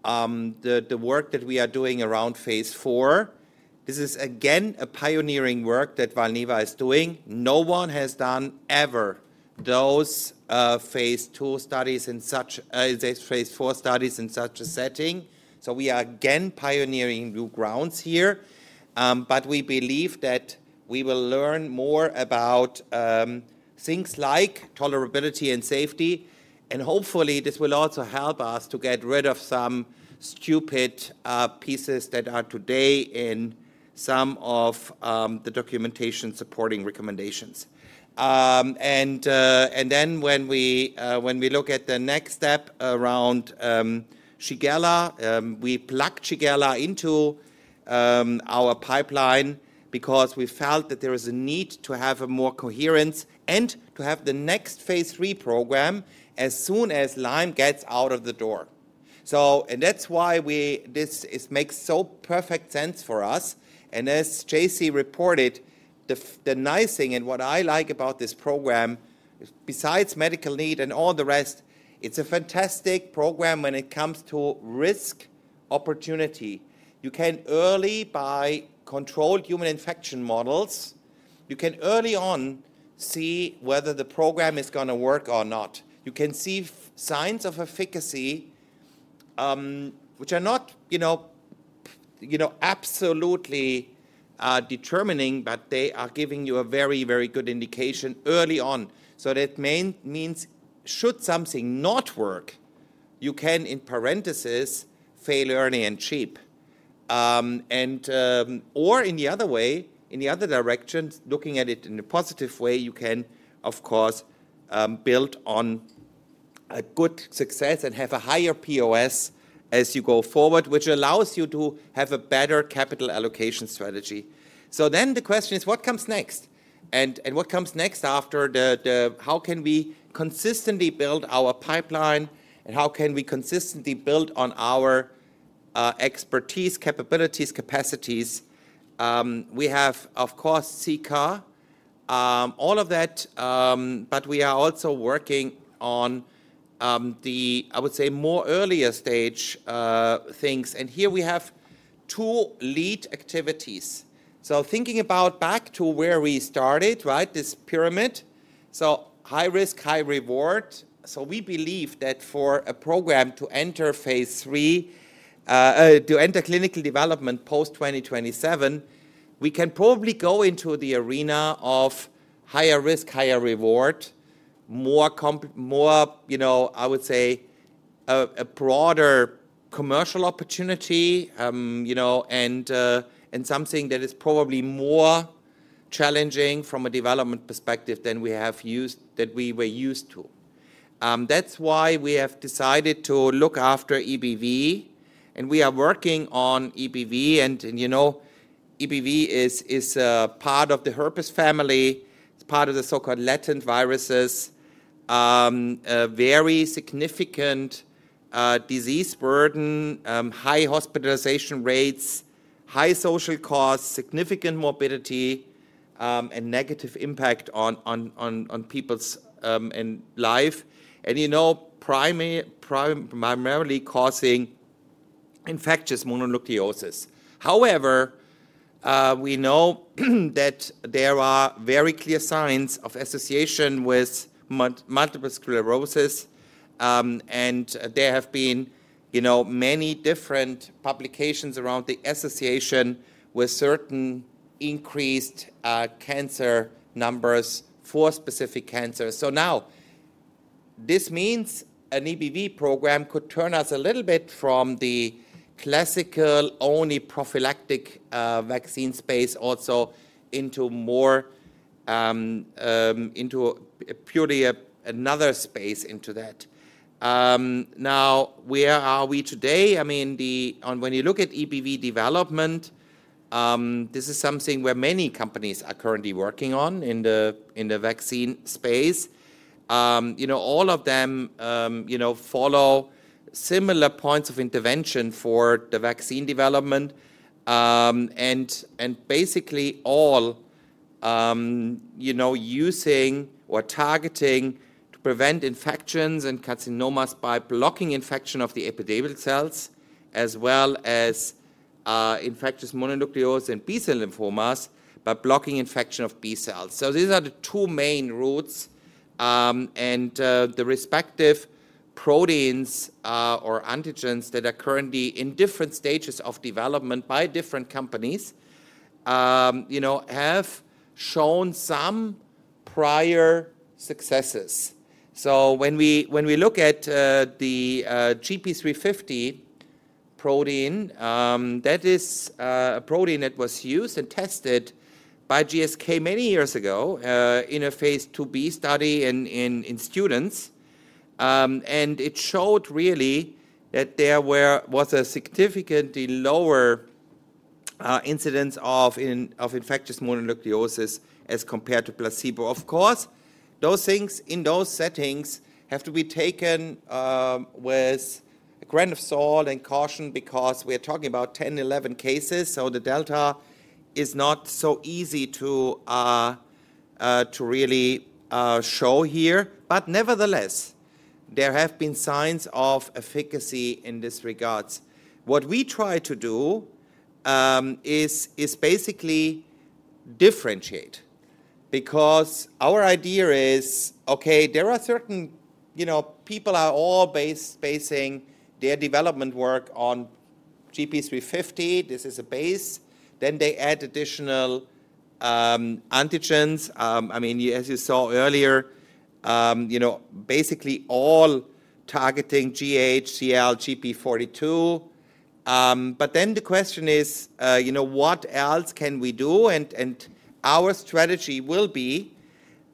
work that we are doing around phase four. This is, again, a pioneering work that Valneva is doing. No one has ever done those phase two studies in such a phase four studies in such a setting, so we are again pioneering new grounds here, but we believe that we will learn more about things like tolerability and safety, and hopefully, this will also help us to get rid of some stupid pieces that are today in some of the documentation supporting recommendations. And then when we look at the next step around Shigella, we plugged Shigella into our pipeline because we felt that there is a need to have more coherence and to have the next phase 3 program as soon as Lyme gets out of the door. And that's why this makes so perfect sense for us. And as JC reported, the nice thing and what I like about this program, besides medical need and all the rest, it's a fantastic program when it comes to risk opportunity. You can early buy controlled human infection models. You can early on see whether the program is going to work or not. You can see signs of efficacy, which are not absolutely determining, but they are giving you a very, very good indication early on. So that means should something not work, you can, in parentheses, fail early and cheap. Or in the other way, in the other direction, looking at it in a positive way, you can, of course, build on a good success and have a higher POS as you go forward, which allows you to have a better capital allocation strategy. So then the question is, what comes next? And what comes next after the how can we consistently build our pipeline and how can we consistently build on our expertise, capabilities, capacities? We have, of course, IXCHIQ, all of that. But we are also working on the, I would say, more earlier stage things. And here we have two lead activities. So thinking back to where we started, this pyramid, so high risk, high reward. So we believe that for a program to enter phase three, to enter clinical development post 2027, we can probably go into the arena of higher risk, higher reward, more. I would say a broader commercial opportunity and something that is probably more challenging from a development perspective than we were used to. That's why we have decided to look after EBV. We are working on EBV. EBV is part of the herpes family. It's part of the so-called latent viruses with very significant disease burden, high hospitalization rates, high social costs, significant morbidity, and negative impact on people's life, primarily causing infectious mononucleosis. However, we know that there are very clear signs of association with multiple sclerosis. There have been many different publications around the association with certain increased cancer numbers for specific cancers. So now this means an EBV program could turn us a little bit from the classical only prophylactic vaccine space also into purely another space into that. Now, where are we today? I mean, when you look at EBV development, this is something where many companies are currently working on in the vaccine space. All of them follow similar points of intervention for the vaccine development. And basically, all using or targeting to prevent infections and carcinomas by blocking infection of the epithelial cells, as well as infectious mononucleosis and B-cell lymphomas by blocking infection of B-cells. So these are the two main routes and the respective proteins or antigens that are currently in different stages of development by different companies have shown some prior successes. When we look at the GP350 protein, that is a protein that was used and tested by GSK many years ago in a phase 2B study in students. It showed really that there was a significantly lower incidence of infectious mononucleosis as compared to placebo. Of course, those things in those settings have to be taken with a grain of salt and caution because we are talking about 10, 11 cases. The delta is not so easy to really show here. Nevertheless, there have been signs of efficacy in this regard. What we try to do is basically differentiate because our idea is, okay, there are certain people are all basing their development work on GP350. This is a base. Then they add additional antigens. I mean, as you saw earlier, basically all targeting GH, CL, GP42. But then the question is, what else can we do? And our strategy will be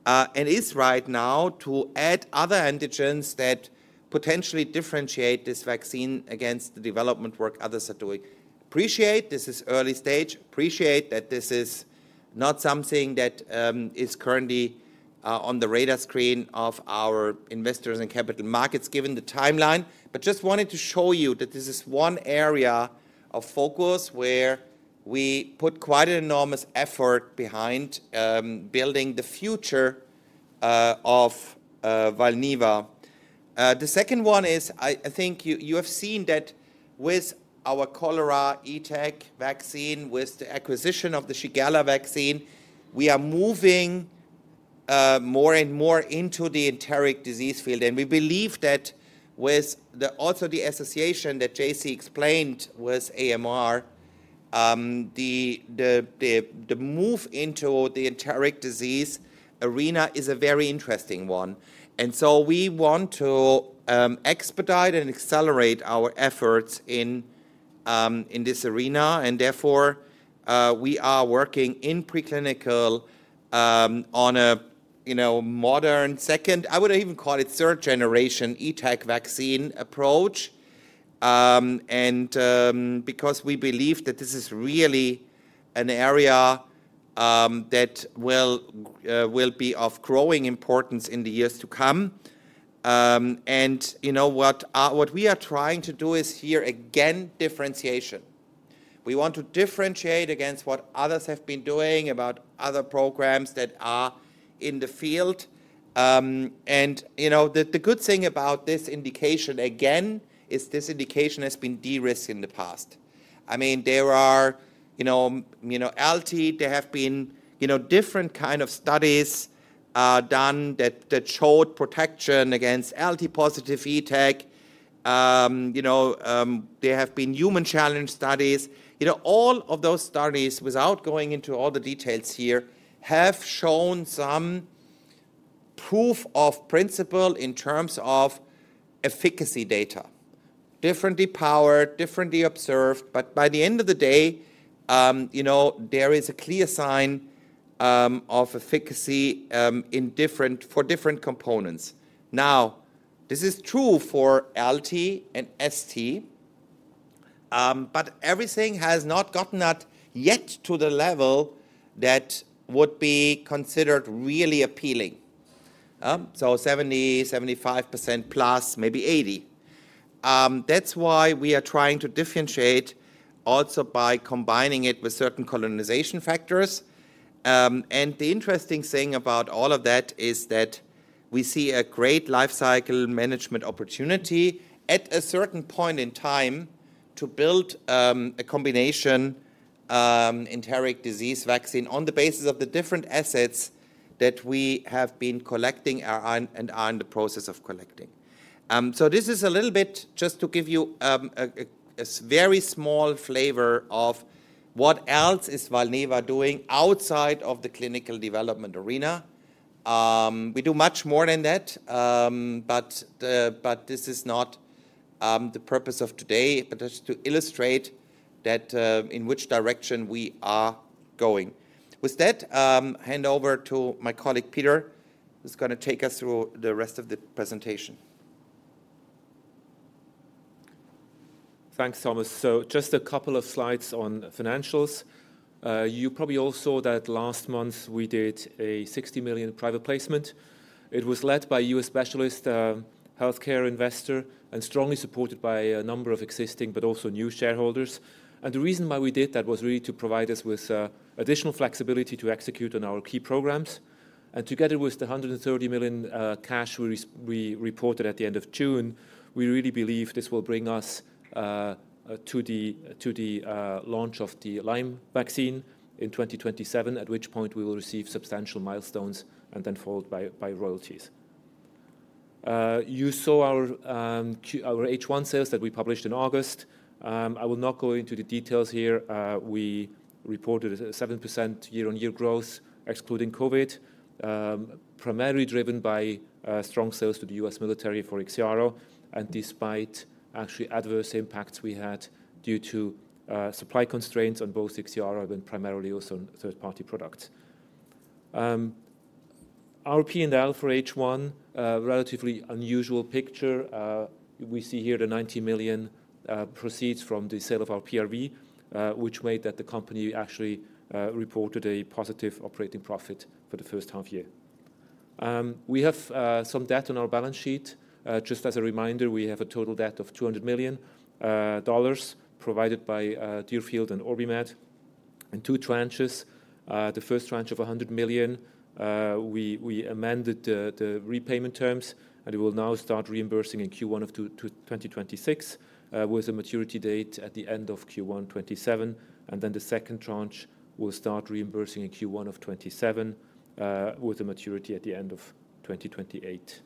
and is right now to add other antigens that potentially differentiate this vaccine against the development work others are doing. Appreciate this is early stage. Appreciate that this is not something that is currently on the radar screen of our investors and capital markets given the timeline. But just wanted to show you that this is one area of focus where we put quite an enormous effort behind building the future of Valneva. The second one is, I think you have seen that with our cholera ETEC vaccine, with the acquisition of the Shigella vaccine, we are moving more and more into the enteric disease field. And we believe that with also the association that JC explained with AMR, the move into the enteric disease arena is a very interesting one. And so we want to expedite and accelerate our efforts in this arena. And therefore, we are working in preclinical on a modern second, I would even call it third generation ETEC vaccine approach. And because we believe that this is really an area that will be of growing importance in the years to come. And what we are trying to do is here, again, differentiation. We want to differentiate against what others have been doing about other programs that are in the field. And the good thing about this indication again is this indication has been de-risked in the past. I mean, there are LT, there have been different kinds of studies done that showed protection against LT positive ETEC. There have been human challenge studies. All of those studies, without going into all the details here, have shown some proof of principle in terms of efficacy data, differently powered, differently observed. But by the end of the day, there is a clear sign of efficacy for different components. Now, this is true for LT and ST. But everything has not gotten yet to the level that would be considered really appealing. So 70%, 75% plus, maybe 80%. That's why we are trying to differentiate also by combining it with certain colonization factors. And the interesting thing about all of that is that we see a great lifecycle management opportunity at a certain point in time to build a combination enteric disease vaccine on the basis of the different assets that we have been collecting and are in the process of collecting. So this is a little bit just to give you a very small flavor of what else is Valneva doing outside of the clinical development arena. We do much more than that. But this is not the purpose of today, but just to illustrate in which direction we are going. With that, hand over to my colleague Peter, who's going to take us through the rest of the presentation. Thanks, Thomas. So just a couple of slides on financials. You probably all saw that last month we did a 60 million private placement. It was led by a U.S. specialist healthcare investor and strongly supported by a number of existing but also new shareholders. And the reason why we did that was really to provide us with additional flexibility to execute on our key programs. And together with the 130 million cash we reported at the end of June, we really believe this will bring us to the launch of the Lyme vaccine in 2027, at which point we will receive substantial milestones and then followed by royalties. You saw our H1 sales that we published in August. I will not go into the details here. We reported a 7% year-on-year growth, excluding COVID, primarily driven by strong sales to the U.S. military for Ixiaro. Despite actually adverse impacts we had due to supply constraints on both Ixiaro and primarily also on third-party products. P&L for H1, relatively unusual picture. We see here the $90 million proceeds from the sale of our PRV, which made that the company actually reported a positive operating profit for the first half year. We have some debt on our balance sheet. Just as a reminder, we have a total debt of $200 million provided by Deerfield and OrbiMed. And two tranches, the first tranche of $100 million, we amended the repayment terms and we will now start reimbursing in Q1 of 2026 with a maturity date at the end of Q1 2027. And then the second tranche will start reimbursing in Q1 of 2027 with a maturity at the end of 2028.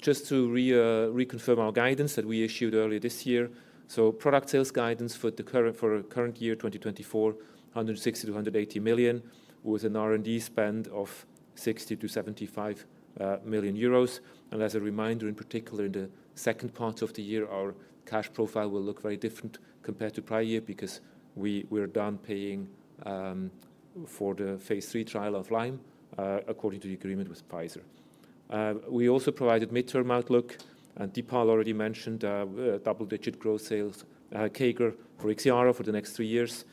Just to reconfirm our guidance that we issued earlier this year. So product sales guidance for the current year 2024, 160-180 million with an R&D spend of 60-75 million euros. And as a reminder, in particular in the second part of the year, our cash profile will look very different compared to prior year because we are done paying for the phase three trial of Lyme according to the agreement with Pfizer. We also provided midterm outlook. And Dipal already mentioned double-digit growth sales, Ixchiq for Ixiaro for the next three years.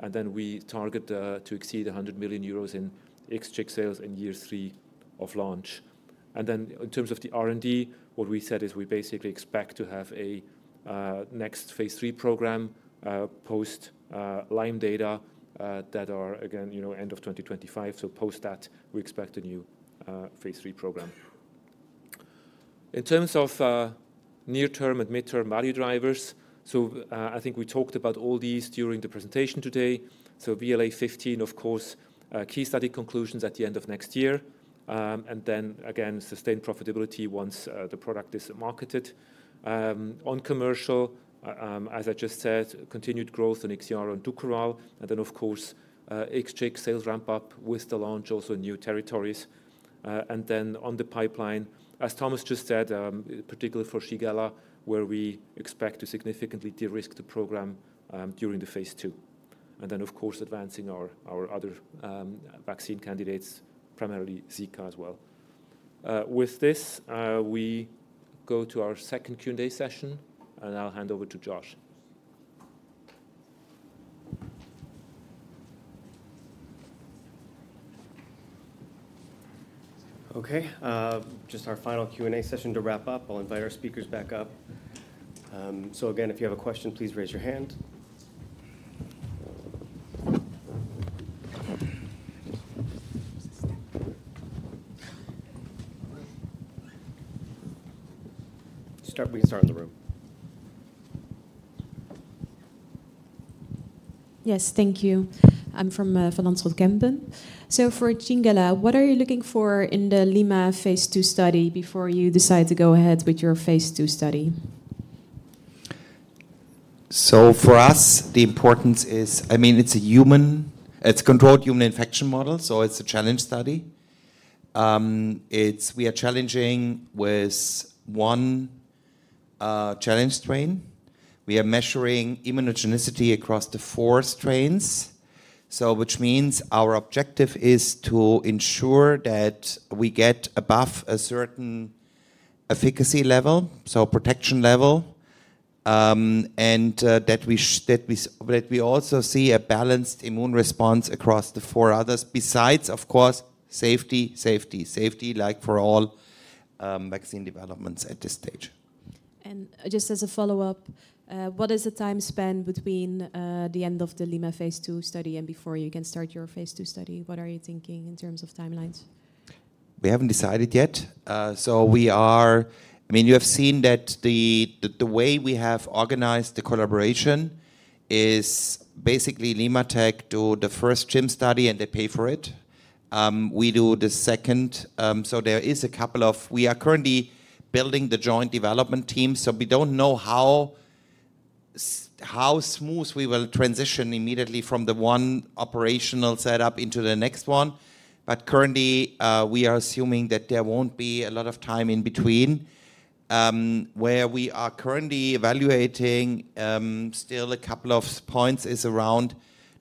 And then we target to exceed 100 million euros in Ixchiq sales in year three of launch. And then in terms of the R&D, what we said is we basically expect to have a next phase three program post Lyme data that are again end of 2025. So post that, we expect a new phase three program. In terms of near-term and mid-term value drivers, so I think we talked about all these during the presentation today. So VLA15, of course, key study conclusions at the end of next year. And then again, sustained profitability once the product is marketed. On commercial, as I just said, continued growth on Ixiaro and Dukoral. And then, of course, Ixchiq sales ramp up with the launch also in new territories. And then on the pipeline, as Thomas just said, particularly for Shigella, where we expect to significantly de-risk the program during the phase two. And then, of course, advancing our other vaccine candidates, primarily Zika as well. With this, we go to our second Q&A session and I'll hand over to Josh. Okay. Just our final Q&A session to wrap up. I'll invite our speakers back up. So again, if you have a question, please raise your hand. We can start in the room. Yes, thank you. I'm from. [inaudible] So for Shigella, what are you looking for in the Lyme phase two study before you decide to go ahead with your phase two study? For us, the importance is, I mean, it's a human, it's controlled human infection model. It's a challenge study. We are challenging with one challenge strain. We are measuring immunogenicity across the four strains, which means our objective is to ensure that we get above a certain efficacy level, so protection level, and that we also see a balanced immune response across the four others, besides, of course, safety, safety, safety like for all vaccine developments at this stage. Just as a follow-up, what is the time span between the end of the Lyme phase two study and before you can start your phase two study? What are you thinking in terms of timelines? We haven't decided yet. So we are, I mean, you have seen that the way we have organized the collaboration is basically LimmaTech do the first Phase I study and they pay for it. We do the second. So there is a couple of, we are currently building the joint development team. So we don't know how smooth we will transition immediately from the one operational setup into the next one. But currently, we are assuming that there won't be a lot of time in between where we are currently evaluating still a couple of points is around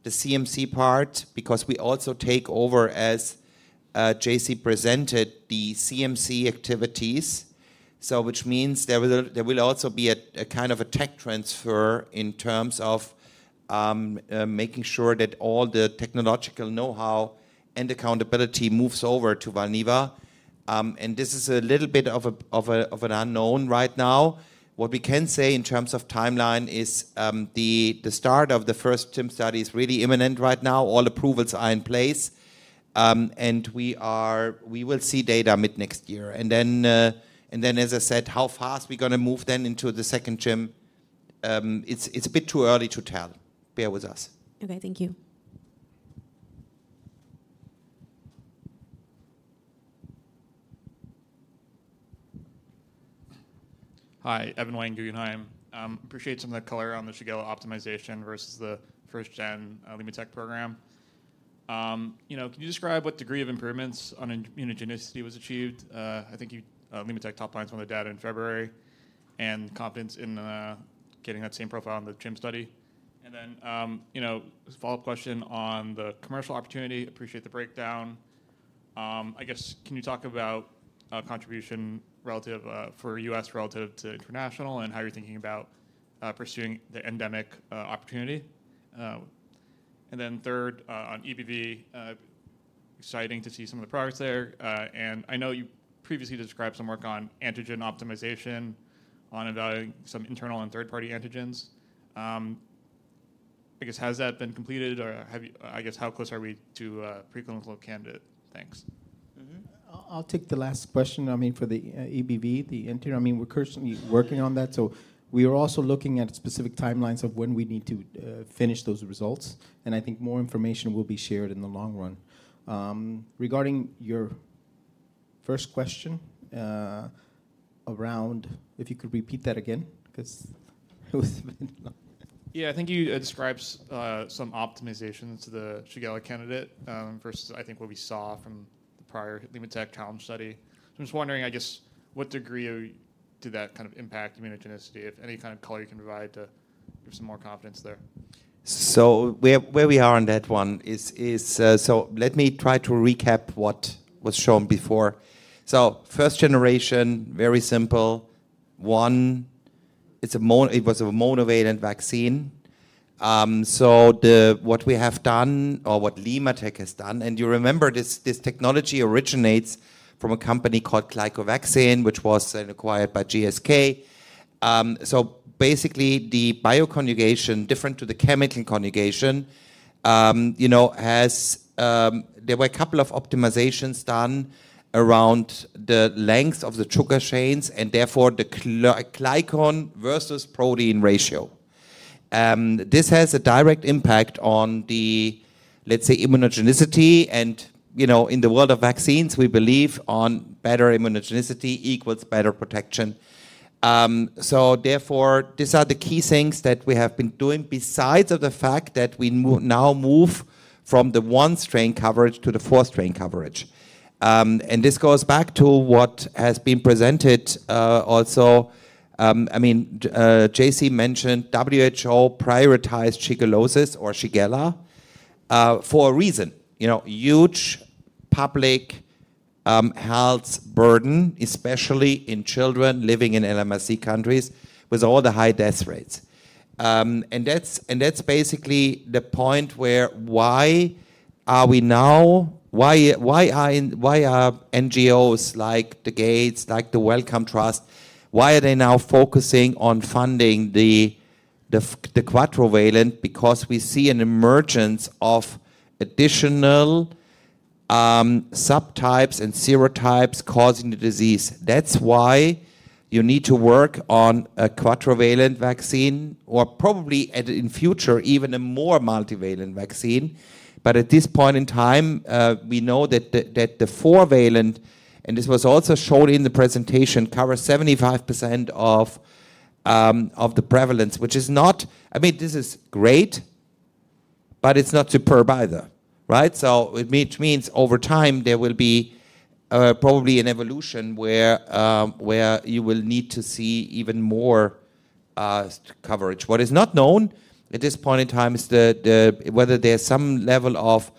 the CMC part because we also take over, as JC presented, the CMC activities. So which means there will also be a kind of a tech transfer in terms of making sure that all the technological know-how and accountability moves over to Valneva. This is a little bit of an unknown right now. What we can say in terms of timeline is the start of the first CHIM study is really imminent right now. All approvals are in place. We will see data mid next year. Then, as I said, how fast we're going to move then into the second CHIM, it's a bit too early to tell. Bear with us. Okay, thank you. Hi, Evan Wang. I appreciate some of the color on the Shigella optimization versus the first-gen LimmaTech program. Can you describe what degree of improvements on immunogenicity was achieved? I think LimmaTech toplined some of the data in February and confidence in getting that same profile in the CHIM study. And then follow-up question on the commercial opportunity, appreciate the breakdown. I guess, can you talk about contribution relative for US relative to international and how you're thinking about pursuing the endemic opportunity? And then third, on EBV, exciting to see some of the progress there. And I know you previously described some work on antigen optimization on evaluating some internal and third-party antigens. I guess, has that been completed? Or I guess, how close are we to a preclinical candidate? Thanks. I'll take the last question. I mean, for the EBV, the antigen, I mean, we're currently working on that. So we are also looking at specific timelines of when we need to finish those results. And I think more information will be shared in the long run. Regarding your first question around, if you could repeat that again because it was a bit long. Yeah, I think you described some optimizations to the Shigella candidate versus, I think, what we saw from the prior LimmaTech challenge study. So I'm just wondering, I guess, what degree did that kind of impact immunogenicity, if any kind of color you can provide to give some more confidence there? So where we are on that one is, so let me try to recap what was shown before. So first generation, very simple. One, it was a monovalent vaccine. So what we have done or what LimmaTech has done, and you remember this technology originates from a company called GlycoVaxyn, which was acquired by GSK. So basically, the bioconjugation, different to the chemical conjugation, there were a couple of optimizations done around the length of the sugar chains and therefore the glycone versus protein ratio. This has a direct impact on the, let's say, immunogenicity. And in the world of vaccines, we believe on better immunogenicity equals better protection. So therefore, these are the key things that we have been doing besides the fact that we now move from the one-strain coverage to the four-strain coverage. And this goes back to what has been presented also. I mean, JC mentioned WHO prioritized Shigellosis or Shigella for a reason. Huge public health burden, especially in children living in LMIC countries with all the high death rates. That's basically the point where why are we now, why are NGOs like the Gates, like the Wellcome Trust, why are they now focusing on funding the quadrivalent because we see an emergence of additional subtypes and serotypes causing the disease. That's why you need to work on a quadrivalent vaccine or probably in future, even a more multi-valent vaccine. But at this point in time, we know that the four-valent, and this was also shown in the presentation, covers 75% of the prevalence, which is not, I mean, this is great, but it's not superb either. Right? So it means over time, there will be probably an evolution where you will need to see even more coverage. What is not known at this point in time is whether there's some level of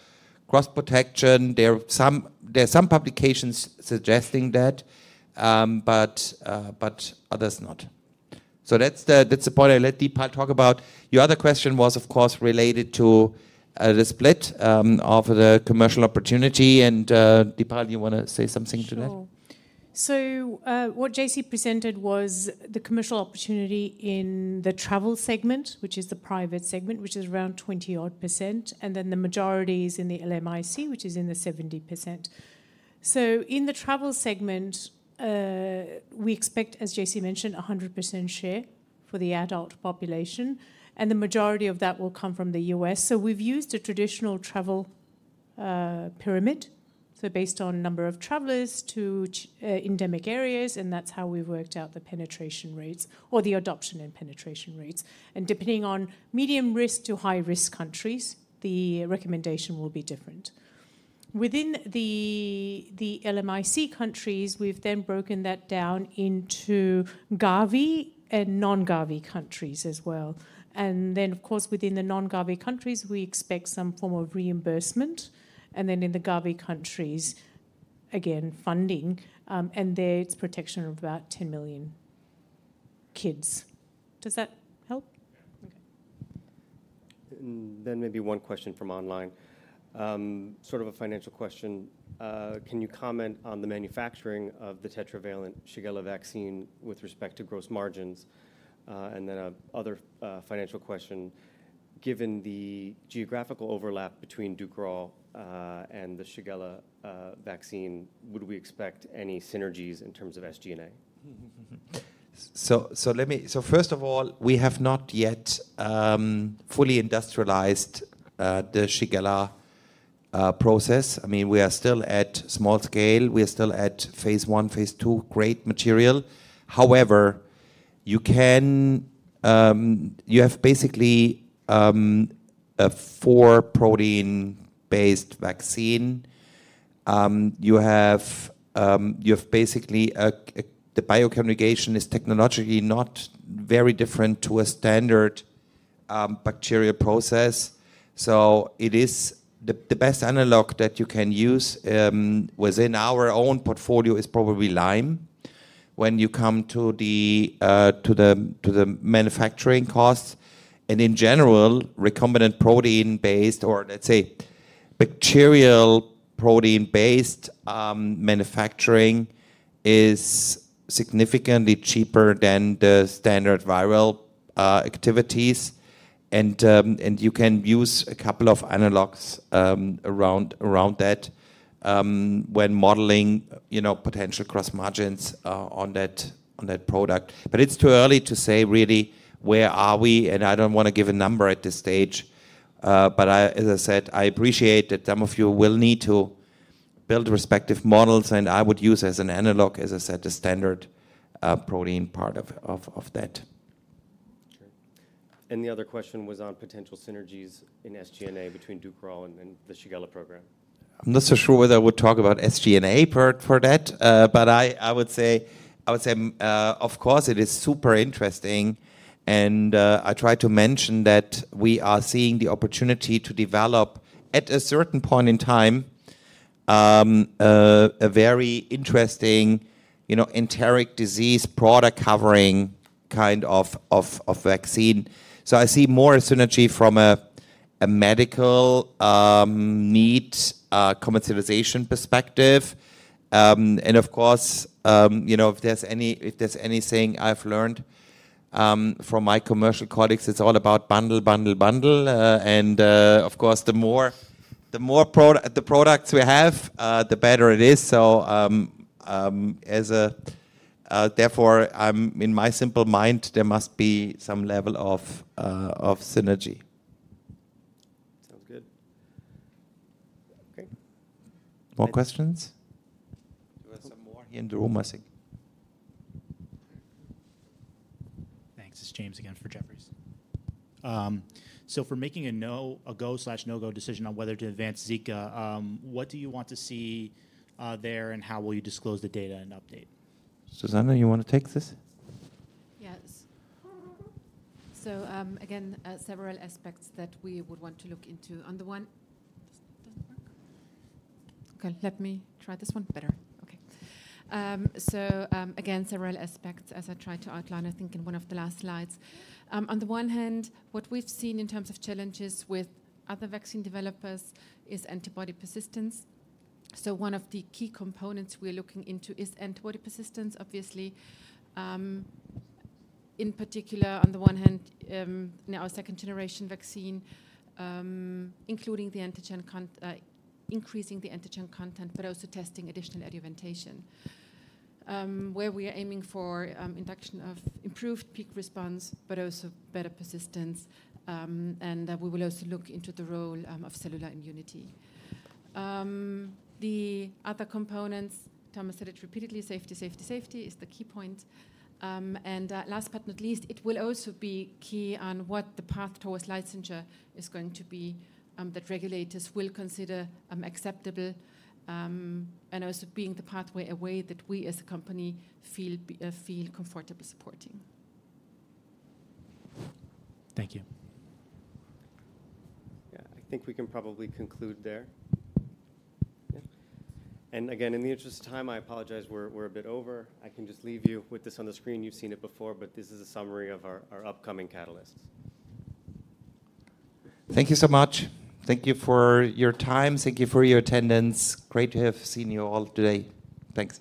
cross-protection. There are some publications suggesting that, but others not. So that's the point I let Dipal talk about. Your other question was, of course, related to the split of the commercial opportunity. And Dipal, you want to say something to that? So what JC presented was the commercial opportunity in the travel segment, which is the private segment, which is around 20-odd%. And then the majority is in the LMIC, which is in the 70%. So in the travel segment, we expect, as JC mentioned, a 100% share for the adult population. And the majority of that will come from the U.S. .So we've used a traditional travel pyramid, so based on number of travelers to endemic areas. And that's how we've worked out the penetration rates or the adoption and penetration rates. And depending on medium risk to high-risk countries, the recommendation will be different. Within the LMIC countries, we've then broken that down into Gavi and non-Gavi countries as well. And then, of course, within the non-Gavi countries, we expect some form of reimbursement. And then in the Gavi countries, again, funding. There it's protection of about 10 million kids. Does that help? Okay. And then maybe one question from online. Sort of a financial question. Can you comment on the manufacturing of the tetravalent Shigella vaccine with respect to gross margins? And then another financial question. Given the geographical overlap between Dukoral and the Shigella vaccine, would we expect any synergies in terms of SG&A? So first of all, we have not yet fully industrialized the Shigella process. I mean, we are still at small scale. We are still at phase one, phase two, great material. However, you have basically a four-protein-based vaccine. Basically, the bioconjugation is technologically not very different to a standard bacterial process. So the best analog that you can use within our own portfolio is probably Lyme. When you come to the manufacturing costs and in general, recombinant protein-based or let's say bacterial protein-based manufacturing is significantly cheaper than the standard viral activities. And you can use a couple of analogs around that when modeling potential gross margins on that product. But it's too early to say really where are we. And I don't want to give a number at this stage. But as I said, I appreciate that some of you will need to build respective models. And I would use as an analog, as I said, the standard protein part of that. Okay. And the other question was on potential synergies in SG&A between Dukoral and the Shigella program. I'm not so sure whether I would talk about SG&A for that. But I would say, of course, it is super interesting. And I tried to mention that we are seeing the opportunity to develop at a certain point in time a very interesting enteric disease product covering kind of vaccine. So I see more synergy from a medical need commercialization perspective. And of course, if there's anything I've learned from my commercial colleagues, it's all about bundle, bundle, bundle. And of course, the more products we have, the better it is. So therefore, in my simple mind, there must be some level of synergy. Sounds good. Okay. More questions? There are some more here in the room, I think. Thanks. This is James again for Jefferies. So for making a no-go/no-go decision on whether to advance Zika, what do you want to see there and how will you disclose the data and update? Suzanne, you want to take this? Yes. So again, several aspects as I tried to outline, I think in one of the last slides. On the one hand, what we've seen in terms of challenges with other vaccine developers is antibody persistence. So one of the key components we're looking into is antibody persistence, obviously. In particular, on the one hand, now a second-generation vaccine, including the antigen, increasing the antigen content, but also testing additional adjuvantation. Where we are aiming for induction of improved peak response, but also better persistence. And we will also look into the role of cellular immunity. The other components, Thomas said it repeatedly, safety, safety, safety is the key point. And last but not least, it will also be key on what the path towards licensure is going to be that regulators will consider acceptable and also being the pathway a way that we as a company feel comfortable supporting. Thank you. Yeah, I think we can probably conclude there. And again, in the interest of time, I apologize, we're a bit over. I can just leave you with this on the screen. You've seen it before, but this is a summary of our upcoming catalysts. Thank you so much. Thank you for your time. Thank you for your attendance. Great to have seen you all today. Thanks.